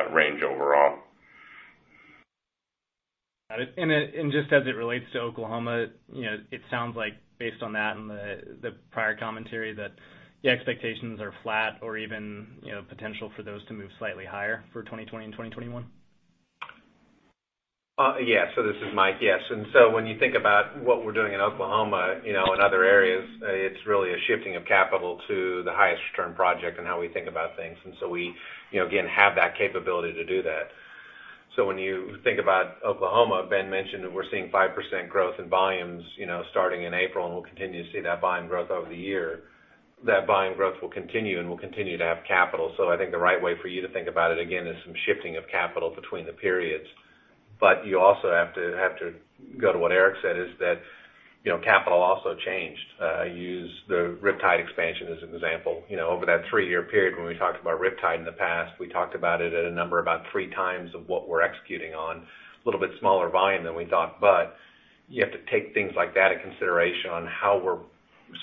Speaker 5: billion range overall.
Speaker 11: Got it. Just as it relates to Oklahoma, it sounds like based on that and the prior commentary that the expectations are flat or even potential for those to move slightly higher for 2020 and 2021?
Speaker 4: Yeah. This is Mike. Yes. When you think about what we're doing in Oklahoma and other areas, it's really a shifting of capital to the highest return project and how we think about things. We, again, have that capability to do that. When you think about Oklahoma, Ben mentioned that we're seeing 5% growth in volumes starting in April, and we'll continue to see that volume growth over the year. That volume growth will continue, and we'll continue to have capital. I think the right way for you to think about it again is some shifting of capital between the periods. You also have to go to what Eric said, is that capital also changed. Use the Riptide expansion as an example. Over that three-year period when we talked about Riptide in the past, we talked about it at a number about three times of what we're executing on. A little bit smaller volume than we thought, but you have to take things like that in consideration on how we're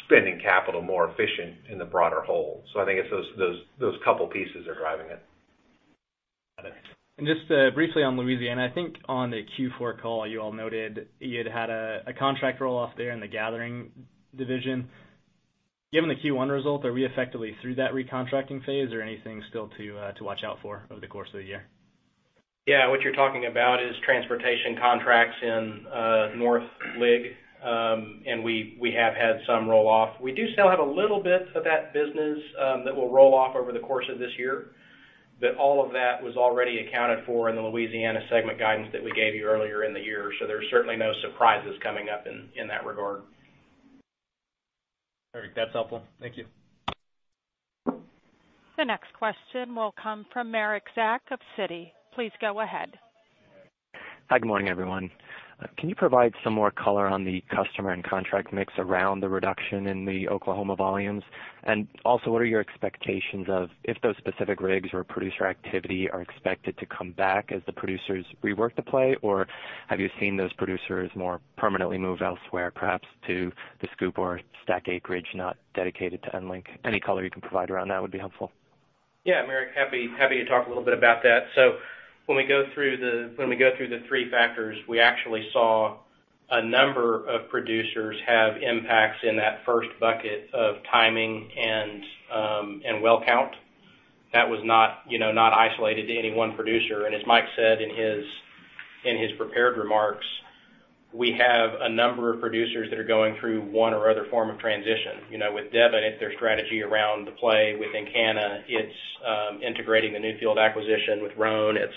Speaker 4: spending capital more efficient in the broader whole. I think it's those couple pieces are driving it.
Speaker 11: Got it. Just briefly on Louisiana, I think on the Q4 call, you all noted you'd had a contract roll-off there in the gathering division. Given the Q1 result, are we effectively through that recontracting phase or anything still to watch out for over the course of the year?
Speaker 7: Yeah. What you're talking about is transportation contracts in North L.A. We have had some roll-off. We do still have a little bit of that business that will roll off over the course of this year. All of that was already accounted for in the Louisiana segment guidance that we gave you earlier in the year. There's certainly no surprises coming up in that regard.
Speaker 11: All right. That's helpful. Thank you.
Speaker 1: The next question will come from Michael Zack of Citi. Please go ahead.
Speaker 12: Hi, good morning, everyone. Can you provide some more color on the customer and contract mix around the reduction in the Oklahoma volumes? Also, what are your expectations of if those specific rigs or producer activity are expected to come back as the producers rework the play, or have you seen those producers more permanently move elsewhere, perhaps to the SCOOP or STACK acreage not dedicated to EnLink? Any color you can provide around that would be helpful.
Speaker 7: Yeah, Michael, happy to talk a little bit about that. When we go through the three factors, we actually saw a number of producers have impacts in that first bucket of timing and well count. That was not isolated to any one producer. As Mike said in his prepared remarks, we have a number of producers that are going through one or other form of transition. With Devon, it's their strategy around the play. With Encana, it's integrating the Newfield acquisition. With Roan, it's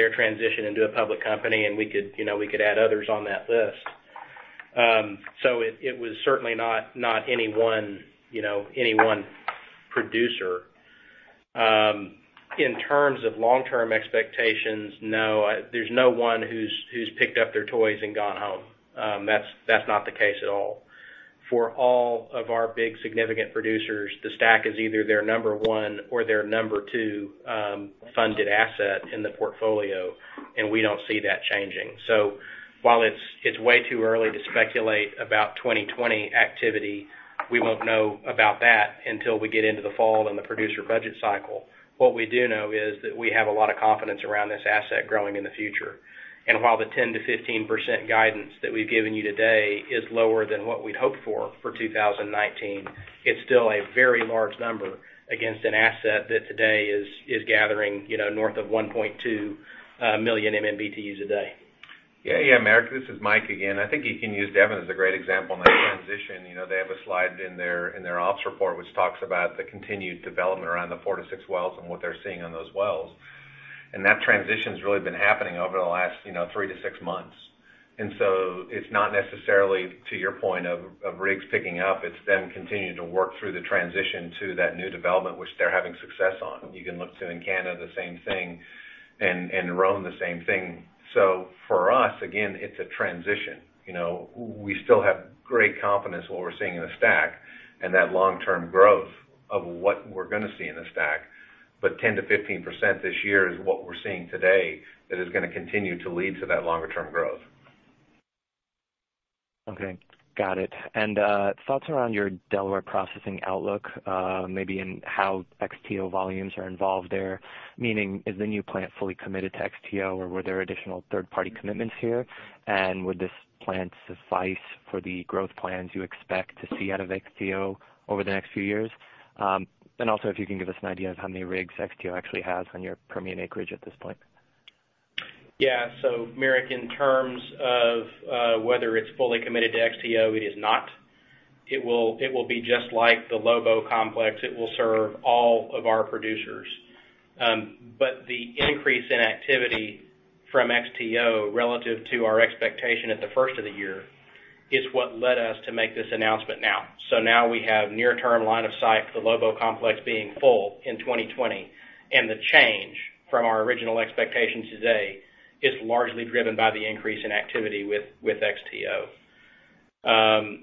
Speaker 7: their transition into a public company, and we could add others on that list. It was certainly not any one producer. In terms of long-term expectations, no, there's no one who's picked up their toys and gone home. That's not the case at all. For all of our big significant producers, the STACK is either their number 1 or their number 2 funded asset in the portfolio, we don't see that changing. While it's way too early to speculate about 2020 activity, we won't know about that until we get into the fall and the producer budget cycle. What we do know is that we have a lot of confidence around this asset growing in the future. While the 10%-15% guidance that we've given you today is lower than what we'd hoped for 2019, it's still a very large number against an asset that today is gathering north of 1.2 million MMBtus a day.
Speaker 4: Yeah. Merrick, this is Mike again. I think you can use Devon as a great example in that transition. They have a slide in their ops report which talks about the continued development around the four to six wells and what they're seeing on those wells. That transition's really been happening over the last three to six months. It's not necessarily to your point of rigs picking up, it's them continuing to work through the transition to that new development, which they're having success on. You can look to Encana, the same thing, and Roan, the same thing. For us, again, it's a transition. We still have great confidence what we're seeing in the STACK and that long-term growth of what we're going to see in the STACK. 10%-15% this year is what we're seeing today. That is going to continue to lead to that longer-term growth.
Speaker 12: Okay. Got it. Thoughts around your Delaware processing outlook, maybe in how XTO volumes are involved there? Meaning, is the new plant fully committed to XTO, or were there additional third-party commitments here? Would this plant suffice for the growth plans you expect to see out of XTO over the next few years? Also, if you can give us an idea of how many rigs XTO actually has on your Permian acreage at this point.
Speaker 7: Yeah. Merrick, in terms of whether it's fully committed to XTO, it is not. It will be just like the Lobo complex. It will serve all of our producers. The increase in activity from XTO relative to our expectation at the first of the year is what led us to make this announcement now. Now we have near-term line of sight, the Lobo complex being full in 2020, and the change from our original expectations today is largely driven by the increase in activity with XTO.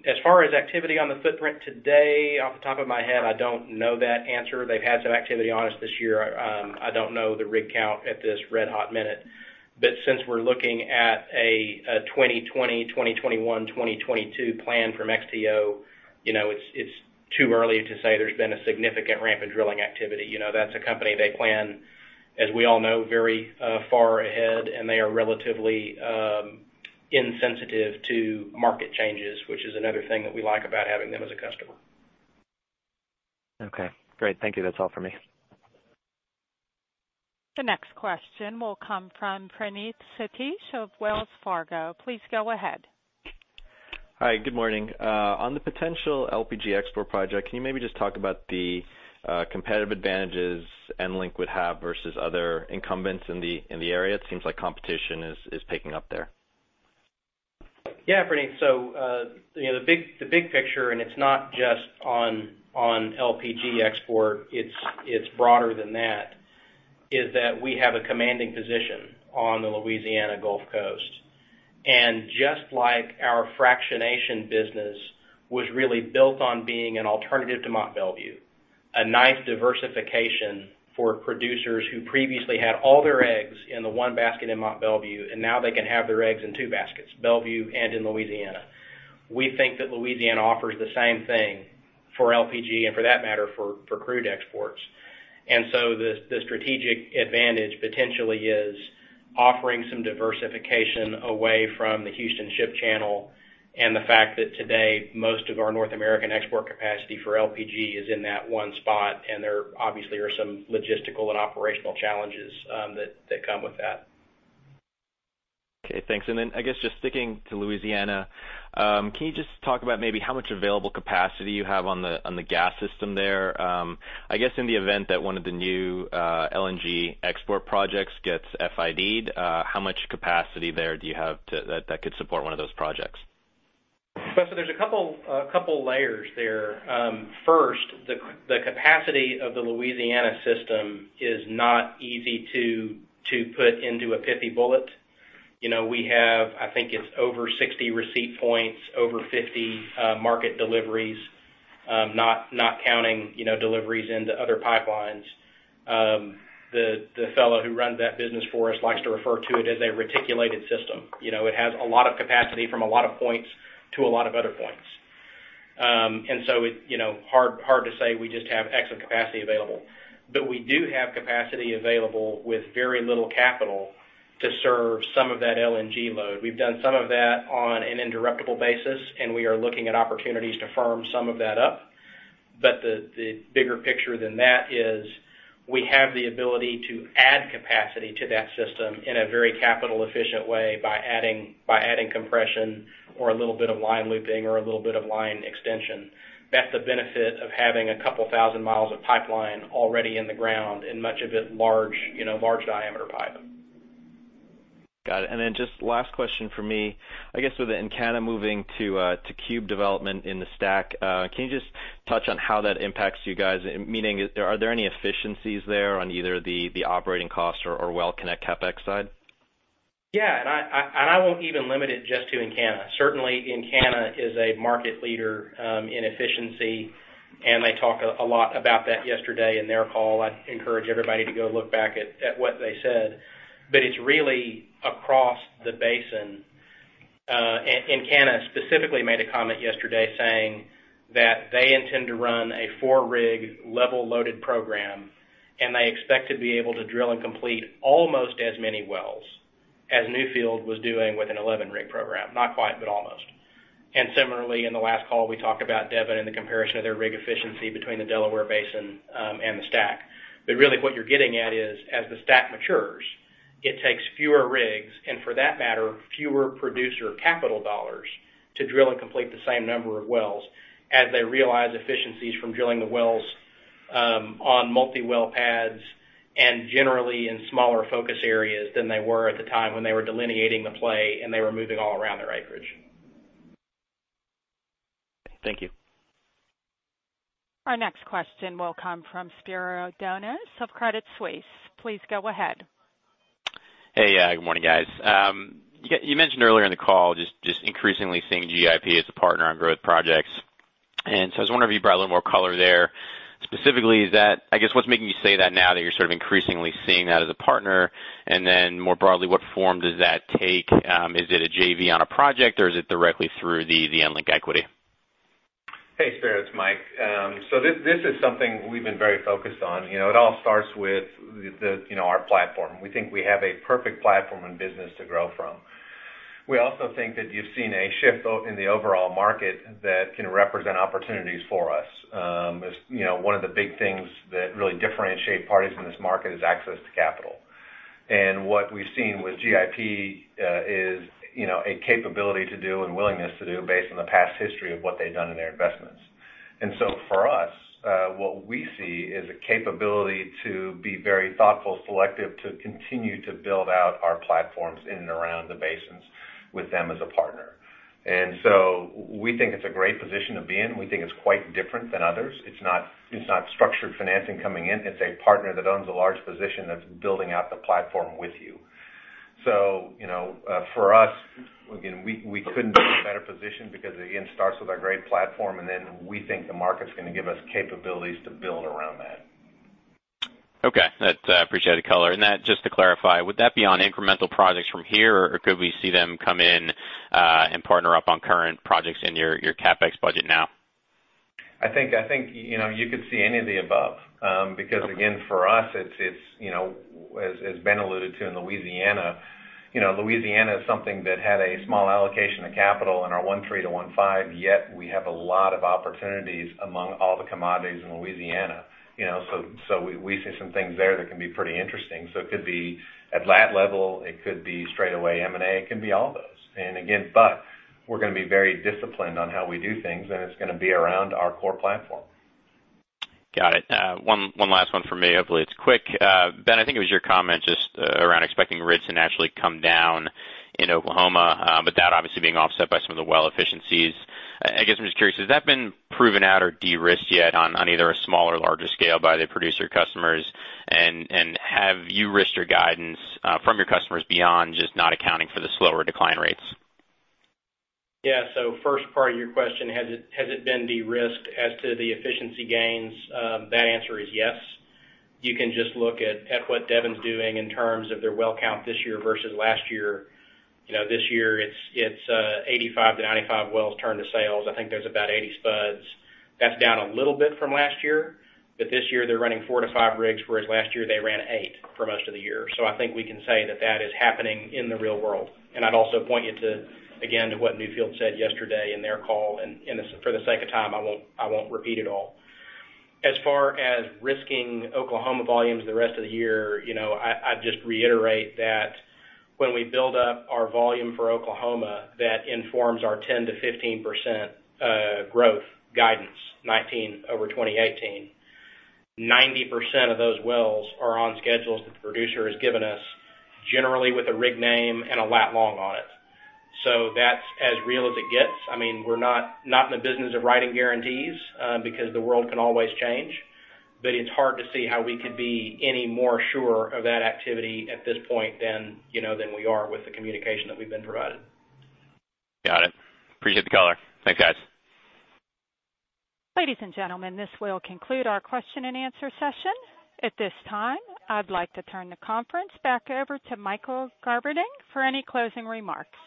Speaker 7: As far as activity on the footprint today, off the top of my head, I don't know that answer. They've had some activity on us this year. I don't know the rig count at this red-hot minute. Since we're looking at a 2020, 2021, 2022 plan from XTO, it's too early to say there's been a significant ramp in drilling activity. That's a company, they plan, as we all know, very far ahead, and they are relatively insensitive to market changes, which is another thing that we like about having them as a customer.
Speaker 12: Okay, great. Thank you. That's all for me.
Speaker 1: The next question will come from Praneeth Satish of Wells Fargo. Please go ahead.
Speaker 13: Hi. Good morning. On the potential LPG export project, can you maybe just talk about the competitive advantages EnLink would have versus other incumbents in the area? It seems like competition is picking up there.
Speaker 7: Yeah, Praneeth. The big picture, and it's not just on LPG export, it's broader than that, is that we have a commanding position on the Louisiana Gulf Coast. Just like our fractionation business was really built on being an alternative to Mont Belvieu, a nice diversification for producers who previously had all their eggs in the one basket in Mont Belvieu, and now they can have their eggs in two baskets, Belvieu and in Louisiana. We think that Louisiana offers the same thing for LPG and for that matter, for crude exports. The strategic advantage potentially is offering some diversification away from the Houston ship channel and the fact that today, most of our North American export capacity for LPG is in that one spot, and there obviously are some logistical and operational challenges that come with that.
Speaker 13: Okay, thanks. I guess just sticking to Louisiana, can you just talk about maybe how much available capacity you have on the gas system there? I guess in the event that one of the new LNG export projects gets FID'd, how much capacity there do you have that could support one of those projects?
Speaker 7: There's a couple layers there. First, the capacity of the Louisiana system is not easy to put into a pithy bullet. We have, I think it's over 60 receipt points, over 50 market deliveries, not counting deliveries into other pipelines. The fellow who runs that business for us likes to refer to it as a reticulated system. It has a lot of capacity from a lot of points to a lot of other points. Hard to say we just have X of capacity available. We do have capacity available with very little capital to serve some of that LNG load. We've done some of that on an interruptible basis, and we are looking at opportunities to firm some of that up. The bigger picture than that is we have the ability to add capacity to that system in a very capital efficient way by adding compression or a little bit of line looping or a little bit of line extension. That's the benefit of having a couple thousand miles of pipeline already in the ground and much of it large diameter pipe.
Speaker 13: Got it. Just last question from me. I guess, with Encana moving to cube development in the STACK, can you just touch on how that impacts you guys? Meaning, are there any efficiencies there on either the operating cost or well connect CapEx side?
Speaker 7: Yeah. I won't even limit it just to Encana. Certainly, Encana is a market leader in efficiency, and they talked a lot about that yesterday in their call. I'd encourage everybody to go look back at what they said. It's really across the basin. Encana specifically made a comment yesterday saying that they intend to run a 4-rig level loaded program, and they expect to be able to drill and complete almost as many wells as Newfield was doing with an 11-rig program. Not quite, but almost. Similarly, in the last call, we talked about Devon and the comparison of their rig efficiency between the Delaware Basin and the STACK. Really what you're getting at is, as the STACK matures, it takes fewer rigs, and for that matter, fewer producer capital dollars to drill and complete the same number of wells as they realize efficiencies from drilling the wells on multi-well pads and generally in smaller focus areas than they were at the time when they were delineating the play and they were moving all around their acreage.
Speaker 13: Thank you.
Speaker 1: Our next question will come from Spiro Dounis of Credit Suisse. Please go ahead.
Speaker 14: Hey, good morning, guys. You mentioned earlier in the call just increasingly seeing GIP as a partner on growth projects. So I was wondering if you could provide a little more color there. Specifically, I guess what's making you say that now that you're sort of increasingly seeing that as a partner? Then more broadly, what form does that take? Is it a JV on a project or is it directly through the EnLink equity?
Speaker 4: Hey, Spiro. It's Mike. This is something we've been very focused on. It all starts with our platform. We think we have a perfect platform and business to grow from. We also think that you've seen a shift in the overall market that can represent opportunities for us. One of the big things that really differentiate parties in this market is access to capital. What we've seen with GIP is a capability to do and willingness to do based on the past history of what they've done in their investments. For us, what we see is a capability to be very thoughtful, selective, to continue to build out our platforms in and around the basins with them as a partner. We think it's a great position to be in. We think it's quite different than others. It's not structured financing coming in. It's a partner that owns a large position that's building out the platform with you. For us, again, we couldn't be in a better position because, again, it starts with our great platform, and then we think the market's going to give us capabilities to build around that.
Speaker 14: Okay. I appreciate the color. Just to clarify, would that be on incremental projects from here, or could we see them come in and partner up on current projects in your CapEx budget now?
Speaker 4: I think you could see any of the above. Again, for us, as Ben alluded to in Louisiana is something that had a small allocation of capital in our 13-15, yet we have a lot of opportunities among all the commodities in Louisiana. We see some things there that can be pretty interesting. It could be at lat level, it could be straightaway M&A, it can be all of those. Again, we're going to be very disciplined on how we do things, and it's going to be around our core platform.
Speaker 14: Got it. One last one from me. Hopefully, it's quick. Ben, I think it was your comment just around expecting rigs to naturally come down in Oklahoma, but that obviously being offset by some of the well efficiencies. I guess I'm just curious, has that been proven out or de-risked yet on either a small or larger scale by the producer customers? Have you risked your guidance from your customers beyond just not accounting for the slower decline rates?
Speaker 7: Yeah. First part of your question, has it been de-risked as to the efficiency gains? That answer is yes. You can just look at what Devon's doing in terms of their well count this year versus last year. This year it's 85-95 wells turned to sales. I think there's about 80 spuds. That's down a little bit from last year. This year they're running 4-5 rigs, whereas last year they ran eight for most of the year. I think we can say that that is happening in the real world. I'd also point you, again, to what Newfield said yesterday in their call, and for the sake of time, I won't repeat it all. As far as risking Oklahoma volumes the rest of the year, I'd just reiterate that when we build up our volume for Oklahoma, that informs our 10%-15% growth guidance, 2019 over 2018. 90% of those wells are on schedules that the producer has given us, generally with a rig name and a lat-long on it. That's as real as it gets. We're not in the business of writing guarantees because the world can always change. It's hard to see how we could be any more sure of that activity at this point than we are with the communication that we've been provided.
Speaker 14: Got it. Appreciate the color. Thanks, guys.
Speaker 1: Ladies and gentlemen, this will conclude our question and answer session. At this time, I'd like to turn the conference back over to Michael Garberding for any closing remarks.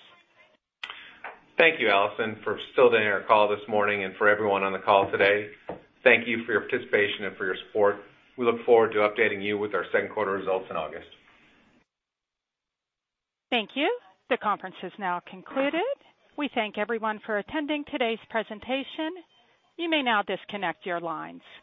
Speaker 4: Thank you, Allison, for still being on our call this morning and for everyone on the call today. Thank you for your participation and for your support. We look forward to updating you with our second quarter results in August.
Speaker 1: Thank you. The conference is now concluded. We thank everyone for attending today's presentation. You may now disconnect your lines.